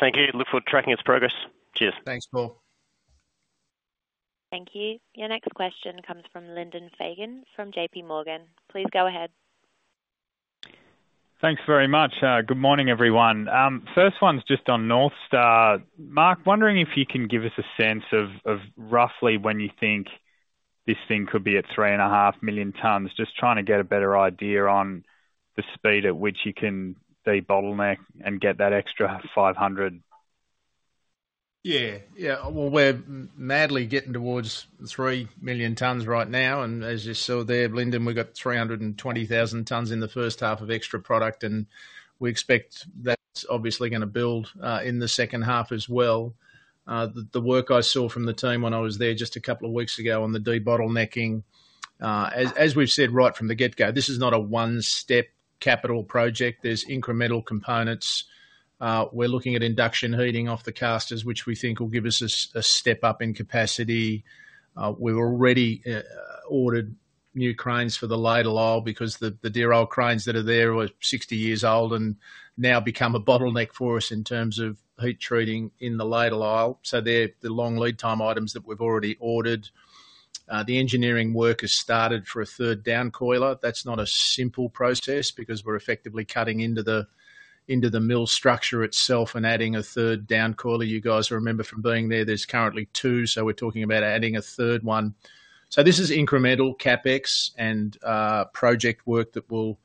Thank you. Look forward to tracking its progress. Cheers. Thanks, Paul. Thank you. Your next question comes from Lyndon Fagan from JP Morgan. Please go ahead. Thanks very much. Good morning, everyone. First one's just on North Star. Mark, wondering if you can give us a sense of roughly when you think this thing could be at 3.5 million tonnes, just trying to get a better idea on the speed at which you can de-bottleneck and get that extra 500. Yeah. Yeah. Well, we're madly getting towards 3 million tonnes right now. And as you saw there, Lyndon, we've got 320,000 tonnes in the first half of extra product. And we expect that's obviously going to build in the second half as well. The work I saw from the team when I was there just a couple of weeks ago on the de-bottlenecking, as we've said right from the get-go, this is not a one-step capital project. There's incremental components. We're looking at induction heating off the casters, which we think will give us a step up in capacity. We've already ordered new cranes for the ladle aisle because the ladle aisle cranes that are there were 60 years old and now become a bottleneck for us in terms of heat treating in the ladle aisle. So they're the long lead time items that we've already ordered. The engineering work has started for a third downcoiler. That's not a simple process because we're effectively cutting into the mill structure itself and adding a third downcoiler. You guys remember from being there, there's currently two. So we're talking about adding a third one. So this is incremental CapEx and project work that will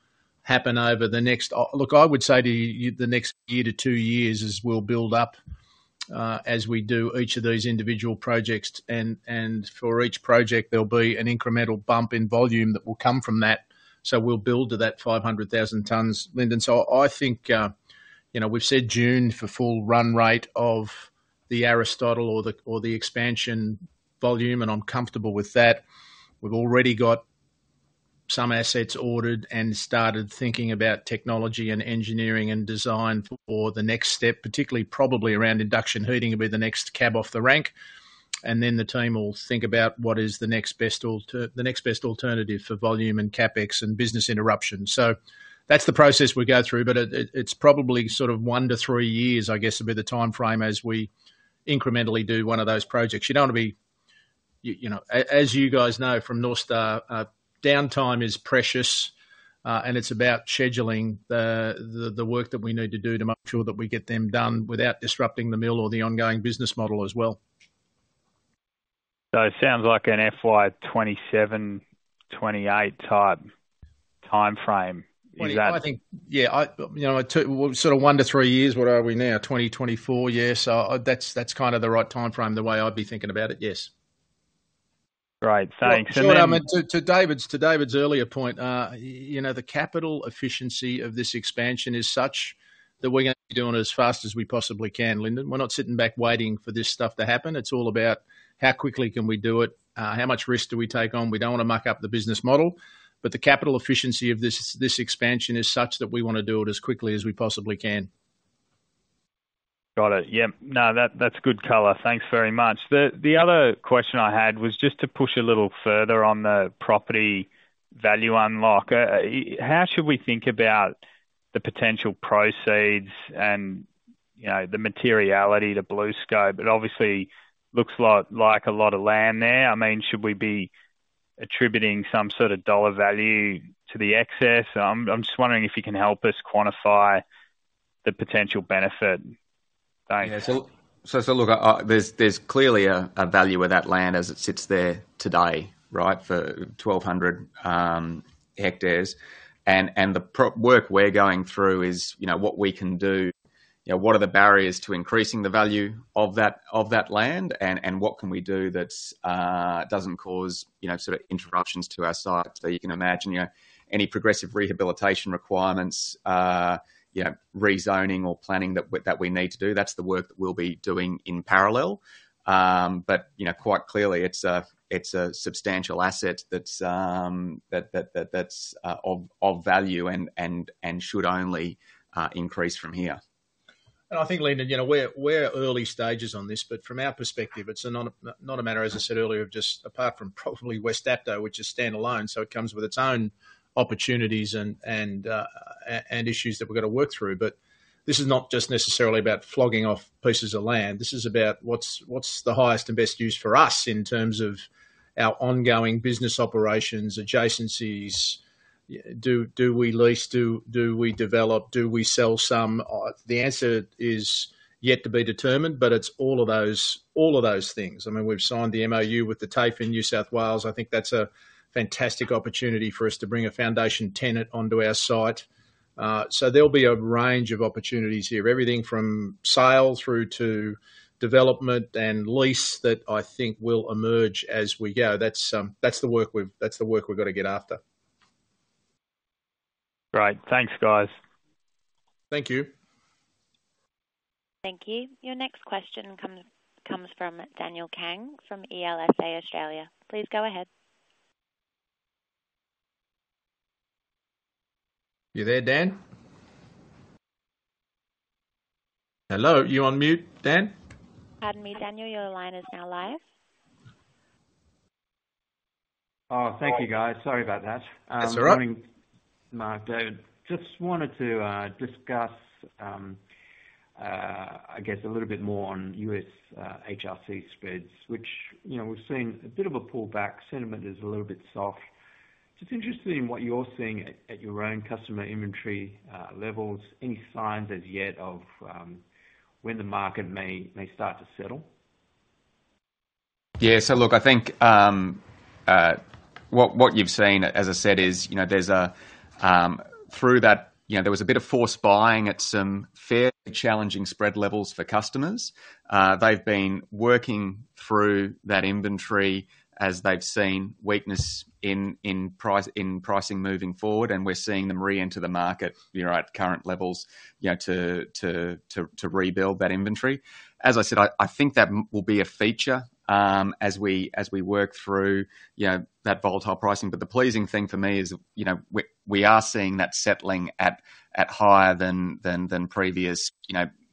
happen over the next, look, I would say to you, the next year to two years. We'll build up as we do each of these individual projects. And for each project, there'll be an incremental bump in volume that will come from that. So we'll build to that 500,000 tonnes, Lyndon. So I think we've said June for full run rate of the Aristotle or the expansion volume. And I'm comfortable with that. We've already got some assets ordered and started thinking about technology and engineering and design for the next step, particularly probably around induction heating to be the next cab off the rank. And then the team will think about what is the next best alternative for volume and CapEx and business interruption. So that's the process we go through. But it's probably sort of one to three years, I guess, will be the timeframe as we incrementally do one of those projects. You don't want to be as you guys know from North Star, downtime is precious. And it's about scheduling the work that we need to do to make sure that we get them done without disrupting the mill or the ongoing business model as well. So it sounds like an FY2027-2028 type timeframe. Is that? Yeah. Sort of one to three years. What are we now? 2024? Yes. That's kind of the right timeframe, the way I'd be thinking about it. Yes. Great. Thanks. And then. But to David's earlier point, the capital efficiency of this expansion is such that we're going to be doing it as fast as we possibly can, Linden. We're not sitting back waiting for this stuff to happen. It's all about how quickly can we do it? How much risk do we take on? We don't want to muck up the business model. But the capital efficiency of this expansion is such that we want to do it as quickly as we possibly can. Got it. Yeah. No, that's good color. Thanks very much. The other question I had was just to push a little further on the property value unlock. How should we think about the potential proceeds and the materiality to BlueScope? It obviously looks like a lot of land there. I mean, should we be attributing some sort of dollar value to the excess? I'm just wondering if you can help us quantify the potential benefit. Thanks. So look, there's clearly a value with that land as it sits there today, right, for 1,200 hectares. And the work we're going through is what we can do, what are the barriers to increasing the value of that land, and what can we do that doesn't cause sort of interruptions to our site? So you can imagine any progressive rehabilitation requirements, rezoning or planning that we need to do. That's the work that we'll be doing in parallel. But quite clearly, it's a substantial asset that's of value and should only increase from here. And I think, Linden, we're early stages on this. But from our perspective, it's not a matter, as I said earlier, of just apart from probably West Dapto, which is standalone. So it comes with its own opportunities and issues that we've got to work through. But this is not just necessarily about flogging off pieces of land. This is about what's the highest and best use for us in terms of our ongoing business operations, adjacencies. Do we lease? Do we develop? Do we sell some? The answer is yet to be determined. But it's all of those things. I mean, we've signed the MOU with the TAFE in New South Wales. I think that's a fantastic opportunity for us to bring a foundation tenant onto our site. So there'll be a range of opportunities here, everything from sale through to development and lease that I think will emerge as we go. That's the work we've got to get after. Great. Thanks, guys. Thank you. Thank you. Your next question comes from Daniel Kang from CLSA Australia. Please go ahead. You there, Dan? Hello. You on mute, Dan? Pardon me, Daniel. Your line is now live. Oh, thank you, guys. Sorry about that. That's all right. Good morning, Mark. David, just wanted to discuss, I guess, a little bit more on U.S. HRC spreads, which we've seen a bit of a pullback. Sentiment is a little bit soft. Just interested in what you're seeing at your own customer inventory levels, any signs as yet of when the market may start to settle? Yeah. So look, I think what you've seen, as I said, is that, through that, there was a bit of forced buying at some fairly challenging spread levels for customers. They've been working through that inventory as they've seen weakness in pricing moving forward. And we're seeing them re-enter the market at current levels to rebuild that inventory. As I said, I think that will be a feature as we work through that volatile pricing. But the pleasing thing for me is we are seeing that settling at higher than previous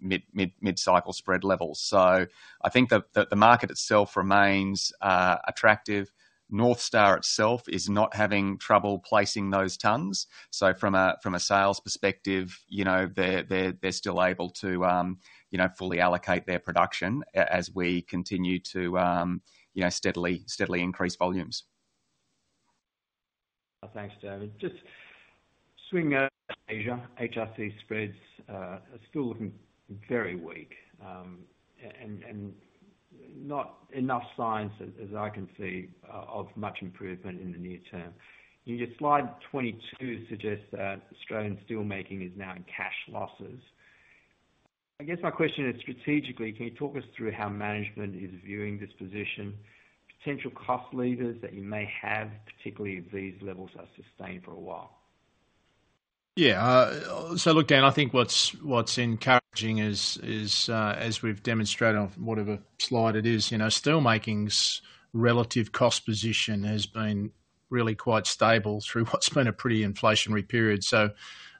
mid-cycle spread levels. So I think the market itself remains attractive. North Star itself is not having trouble placing those tonnes. So from a sales perspective, they're still able to fully allocate their production as we continue to steadily increase volumes. Thanks, David. Just swinging. Asia, HRC spreads are still looking very weak and not enough signs, as I can see, of much improvement in the near term. Slide 22 suggests that Australian steelmaking is now in cash losses. I guess my question is, strategically, can you talk us through how management is viewing this position, potential cost leaders that you may have, particularly if these levels are sustained for a while? Yeah. So look, Dan, I think what's encouraging is, as we've demonstrated on whatever slide it is, steelmaking's relative cost position has been really quite stable through what's been a pretty inflationary period. So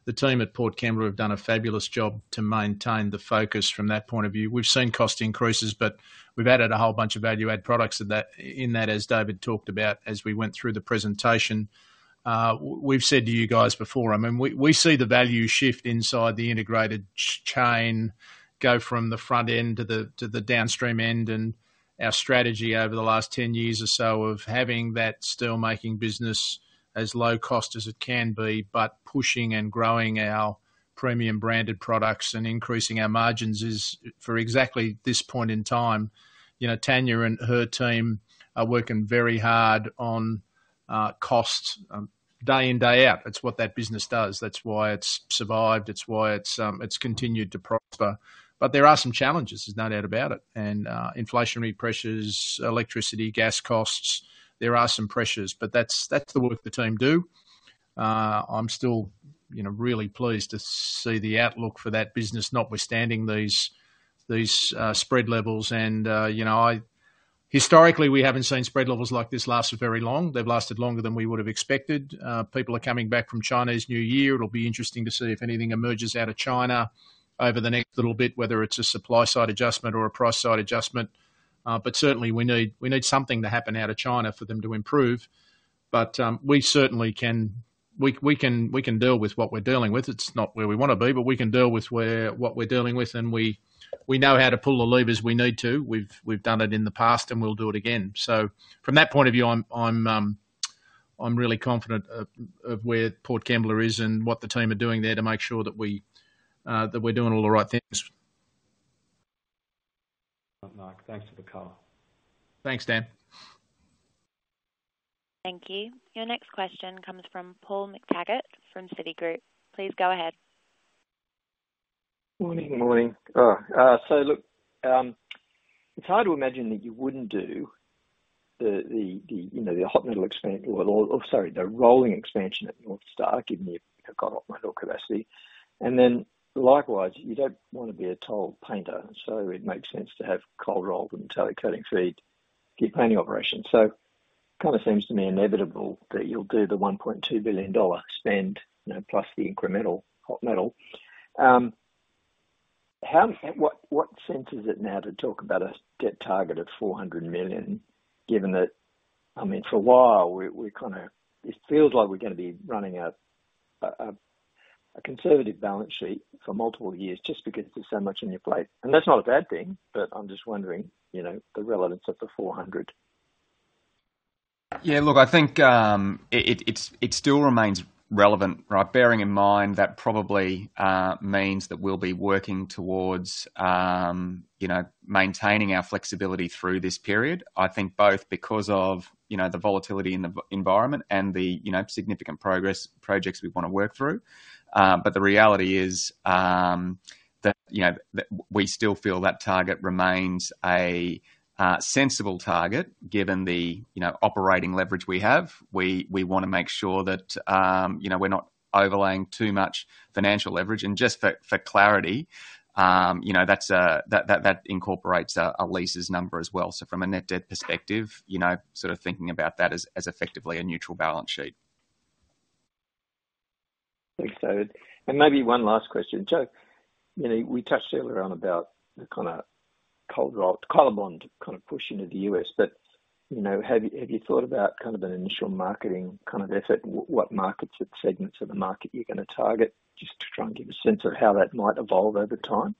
the team at Port Kembla have done a fabulous job to maintain the focus from that point of view. We've seen cost increases, but we've added a whole bunch of value-added products in that, as David talked about as we went through the presentation. We've said to you guys before, I mean, we see the value shift inside the integrated chain go from the front end to the downstream end. Our strategy over the last 10 years or so of having that steelmaking business as low cost as it can be, but pushing and growing our premium branded products and increasing our margins is for exactly this point in time. Tania and her team are working very hard on costs day in, day out. That's what that business does. That's why it's survived. That's why it's continued to prosper. But there are some challenges, there's no doubt about it. And inflationary pressures, electricity, gas costs, there are some pressures. But that's the work the team do. I'm still really pleased to see the outlook for that business notwithstanding these spread levels. And historically, we haven't seen spread levels like this last very long. They've lasted longer than we would have expected. People are coming back from Chinese New Year. It'll be interesting to see if anything emerges out of China over the next little bit, whether it's a supply-side adjustment or a price-side adjustment. But certainly, we need something to happen out of China for them to improve. But we certainly can deal with what we're dealing with. It's not where we want to be, but we can deal with what we're dealing with. And we know how to pull the levers we need to. We've done it in the past, and we'll do it again. So from that point of view, I'm really confident of where Port Kembla is and what the team are doing there to make sure that we're doing all the right things. Mark, thanks for the color. Thanks, Dan. Thank you. Your next question comes from Paul McTaggart from Citigroup. Please go ahead. Morning, morning. So look, it's hard to imagine that you wouldn't do the hot mill expansion or, sorry, the rolling expansion at North Star, given you've got hot mill capacity. And then likewise, you don't want to be a toll painter. So it makes sense to have cold rolled and metal coating feed for your painting operations. So it kind of seems to me inevitable that you'll do the 1.2 billion dollar spend plus the incremental hot metal. What sense is it now to talk about a debt target of 400 million, given that, I mean, for a while, it feels like we're going to be running a conservative balance sheet for multiple years just because there's so much on your plate? And that's not a bad thing. But I'm just wondering the relevance of the 400 million. Yeah. Look, I think it still remains relevant, right, bearing in mind that probably means that we'll be working towards maintaining our flexibility through this period, I think both because of the volatility in the environment and the significant progress projects we want to work through. But the reality is that we still feel that target remains a sensible target given the operating leverage we have. We want to make sure that we're not overlaying too much financial leverage. And just for clarity, that incorporates a lease's number as well. So from a net debt perspective, sort of thinking about that as effectively a neutral balance sheet. Thanks, David. Maybe one last question. Joe, we touched earlier on about the kind of COLORBOND kind of push into the U.S. But have you thought about kind of an initial marketing kind of effort, what markets and segments of the market you're going to target, just to try and give a sense of how that might evolve over time?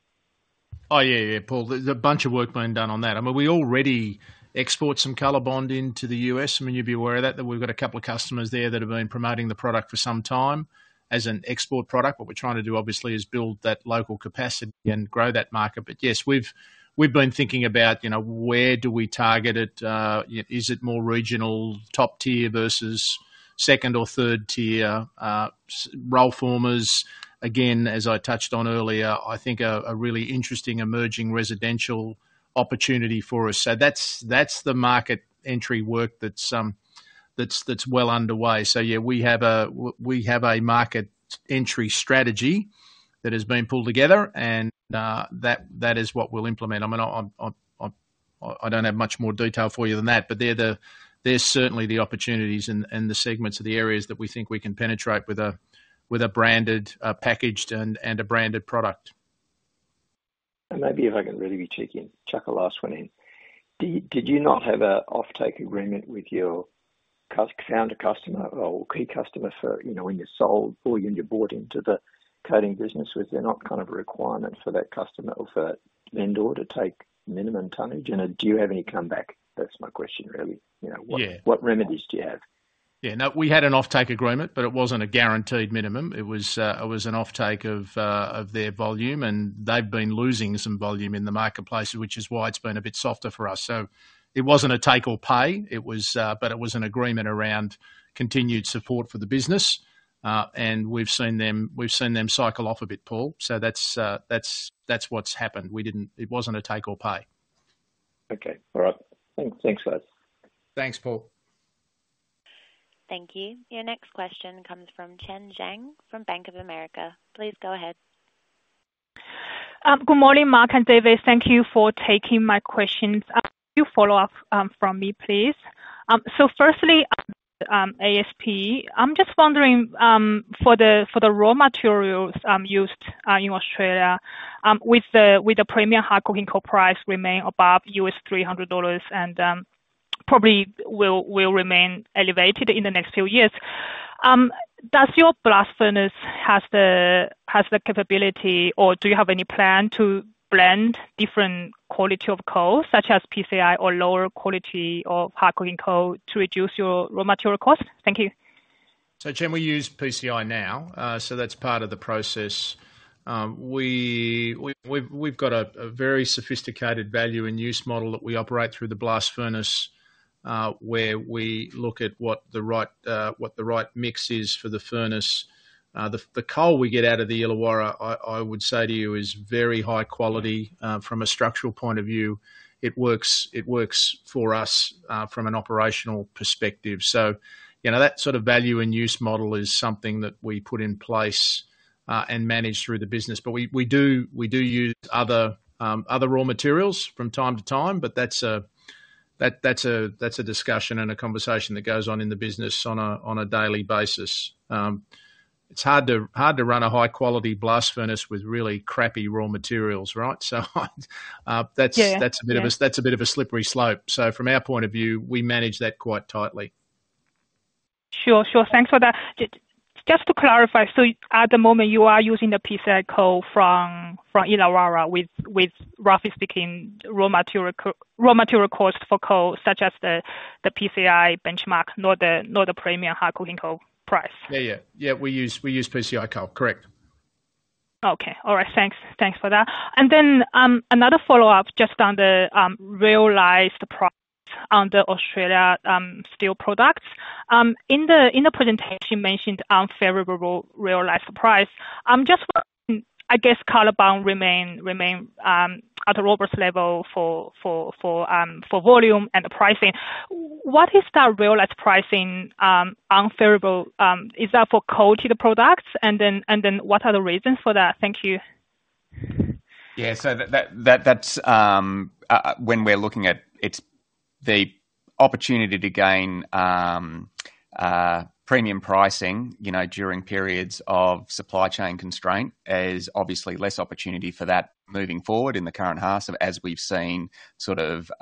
Oh, yeah, yeah, Paul. There's a bunch of work being done on that. I mean, we already export some COLORBOND into the U.S. I mean, you'd be aware of that, that we've got a couple of customers there that have been promoting the product for some time as an export product. What we're trying to do, obviously, is build that local capacity and grow that market. But yes, we've been thinking about where do we target it? Is it more regional, top tier versus second or third tier roll formers? Again, as I touched on earlier, I think a really interesting emerging residential opportunity for us. So that's the market entry work that's well underway. So yeah, we have a market entry strategy that has been pulled together. And that is what we'll implement. I mean, I don't have much more detail for you than that. But there's certainly the opportunities and the segments of the areas that we think we can penetrate with a branded, packaged, and a branded product. Maybe if I can really be cheeky, chuck the last one in. Did you not have an offtake agreement with your founder customer or key customer when you sold or when you bought into the coating business? Was there not kind of a requirement for that customer or for that vendor to take minimum tonnage? And do you have any come back? That's my question, really. What remedies do you have? Yeah. No, we had an offtake agreement, but it wasn't a guaranteed minimum. It was an offtake of their volume. And they've been losing some volume in the marketplaces, which is why it's been a bit softer for us. So it wasn't a take or pay, but it was an agreement around continued support for the business. And we've seen them cycle off a bit, Paul. So that's what's happened. It wasn't a take or pay. Okay. All right. Thanks, guys. Thanks, Paul. Thank you. Your next question comes from Chen Jiang from Bank of America. Please go ahead. Good morning, Mark and David. Thank you for taking my questions. A few follow-ups from me, please. So firstly, ASP, I'm just wondering, for the raw materials used in Australia, with the premium hard-coking coal price remaining above 300 dollars and probably will remain elevated in the next few years, does your blast furnace have the capability, or do you have any plan to blend different quality of coal, such as PCI or lower quality of hard-coking coal, to reduce your raw material cost? Thank you. So Chen, we use PCI now. So that's part of the process. We've got a very sophisticated value and use model that we operate through the blast furnace, where we look at what the right mix is for the furnace. The coal we get out of the Illawarra, I would say to you, is very high quality from a structural point of view. It works for us from an operational perspective. So that sort of value and use model is something that we put in place and manage through the business. But we do use other raw materials from time to time. But that's a discussion and a conversation that goes on in the business on a daily basis. It's hard to run a high-quality blast furnace with really crappy raw materials, right? So that's a bit of a slippery slope. From our point of view, we manage that quite tightly. Sure, sure. Thanks for that. Just to clarify, so at the moment, you are using the PCI coal from Illawarra, with roughly speaking, raw material cost for coal, such as the PCI benchmark, not the premium hard-coking coal price? Yeah, yeah. Yeah, we use PCI coal, correct? Okay. All right. Thanks. Thanks for that. And then another follow-up just on the realized price on the Australian Steel Products. In the presentation, you mentioned unfavorable realized price. I'm just wondering, I guess, COLORBOND remains at a robust level for volume and pricing. What is that realized pricing unfavorable? Is that for coated products? And then what are the reasons for that? Thank you. Yeah. So when we're looking at the opportunity to gain premium pricing during periods of supply chain constraint, there's obviously less opportunity for that moving forward in the current era of, as we've seen, sort of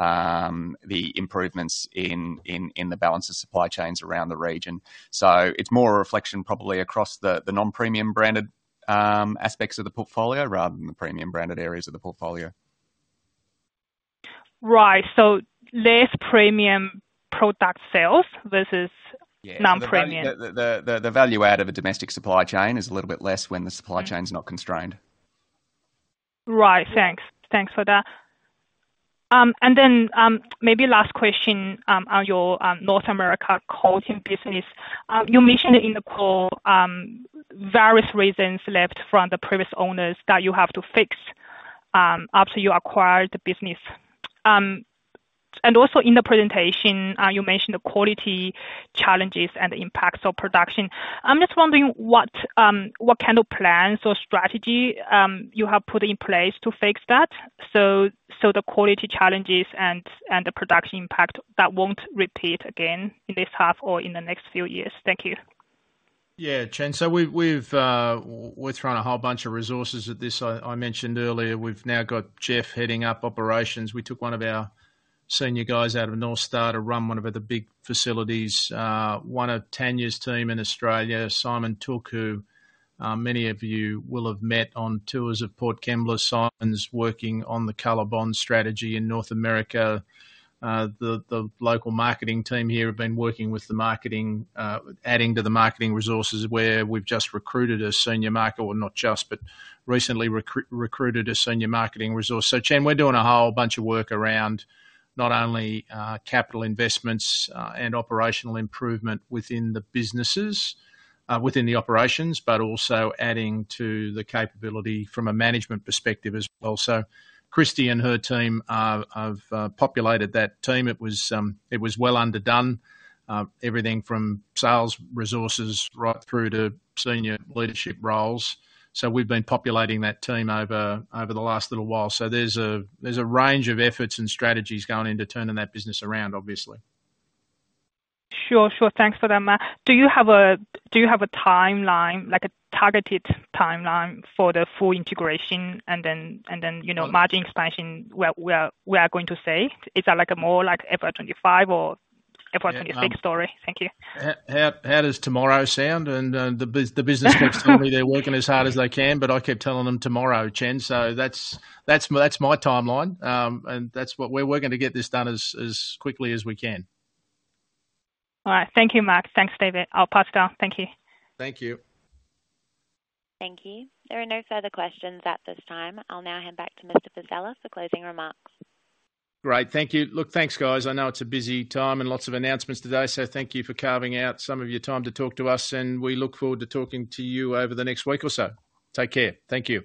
the improvements in the balance of supply chains around the region. So it's more a reflection probably across the non-premium branded aspects of the portfolio rather than the premium branded areas of the portfolio. Right. So less premium product sales versus non-premium. The value add of a domestic supply chain is a little bit less when the supply chain is not constrained. Right. Thanks. Thanks for that. And then maybe last question on your North America coating business. You mentioned in the call various reasons left from the previous owners that you have to fix after you acquired the business. And also in the presentation, you mentioned the quality challenges and the impacts of production. I'm just wondering what kind of plans or strategy you have put in place to fix that, so the quality challenges and the production impact that won't repeat again in this half or in the next few years. Thank you. Yeah, Chen. So we're throwing a whole bunch of resources at this. I mentioned earlier, we've now got Jeff heading up operations. We took one of our senior guys out of North Star to run one of the big facilities, one of Tania's team in Australia, Simon Tuck, who many of you will have met on tours of Port Kembla, Simon's working on the COLORBOND strategy in North America. The local marketing team here have been working with the marketing, adding to the marketing resources where we've just recruited a senior marketer, not just, but recently recruited a senior marketing resource. So Chen, we're doing a whole bunch of work around not only capital investments and operational improvement within the businesses, within the operations, but also adding to the capability from a management perspective as well. So Kristie and her team have populated that team. It was well underdone, everything from sales resources right through to senior leadership roles. We've been populating that team over the last little while. There's a range of efforts and strategies going in to turn that business around, obviously. Sure, sure. Thanks for that. Do you have a timeline, like a targeted timeline for the full integration and then margin expansion we are going to say? Is that like a more like FY 2025 or FY 2026 story? Thank you. How does tomorrow sound? And the business kept telling me they're working as hard as they can, but I kept telling them tomorrow, Chen. So that's my timeline. And we're working to get this done as quickly as we can. All right. Thank you, Mark. Thanks, David. I'll pass down. Thank you. Thank you. Thank you. There are no further questions at this time. I'll now hand back to Mr. Vassella for closing remarks. Great. Thank you. Look, thanks, guys. I know it's a busy time and lots of announcements today. Thank you for carving out some of your time to talk to us. We look forward to talking to you over the next week or so. Take care. Thank you.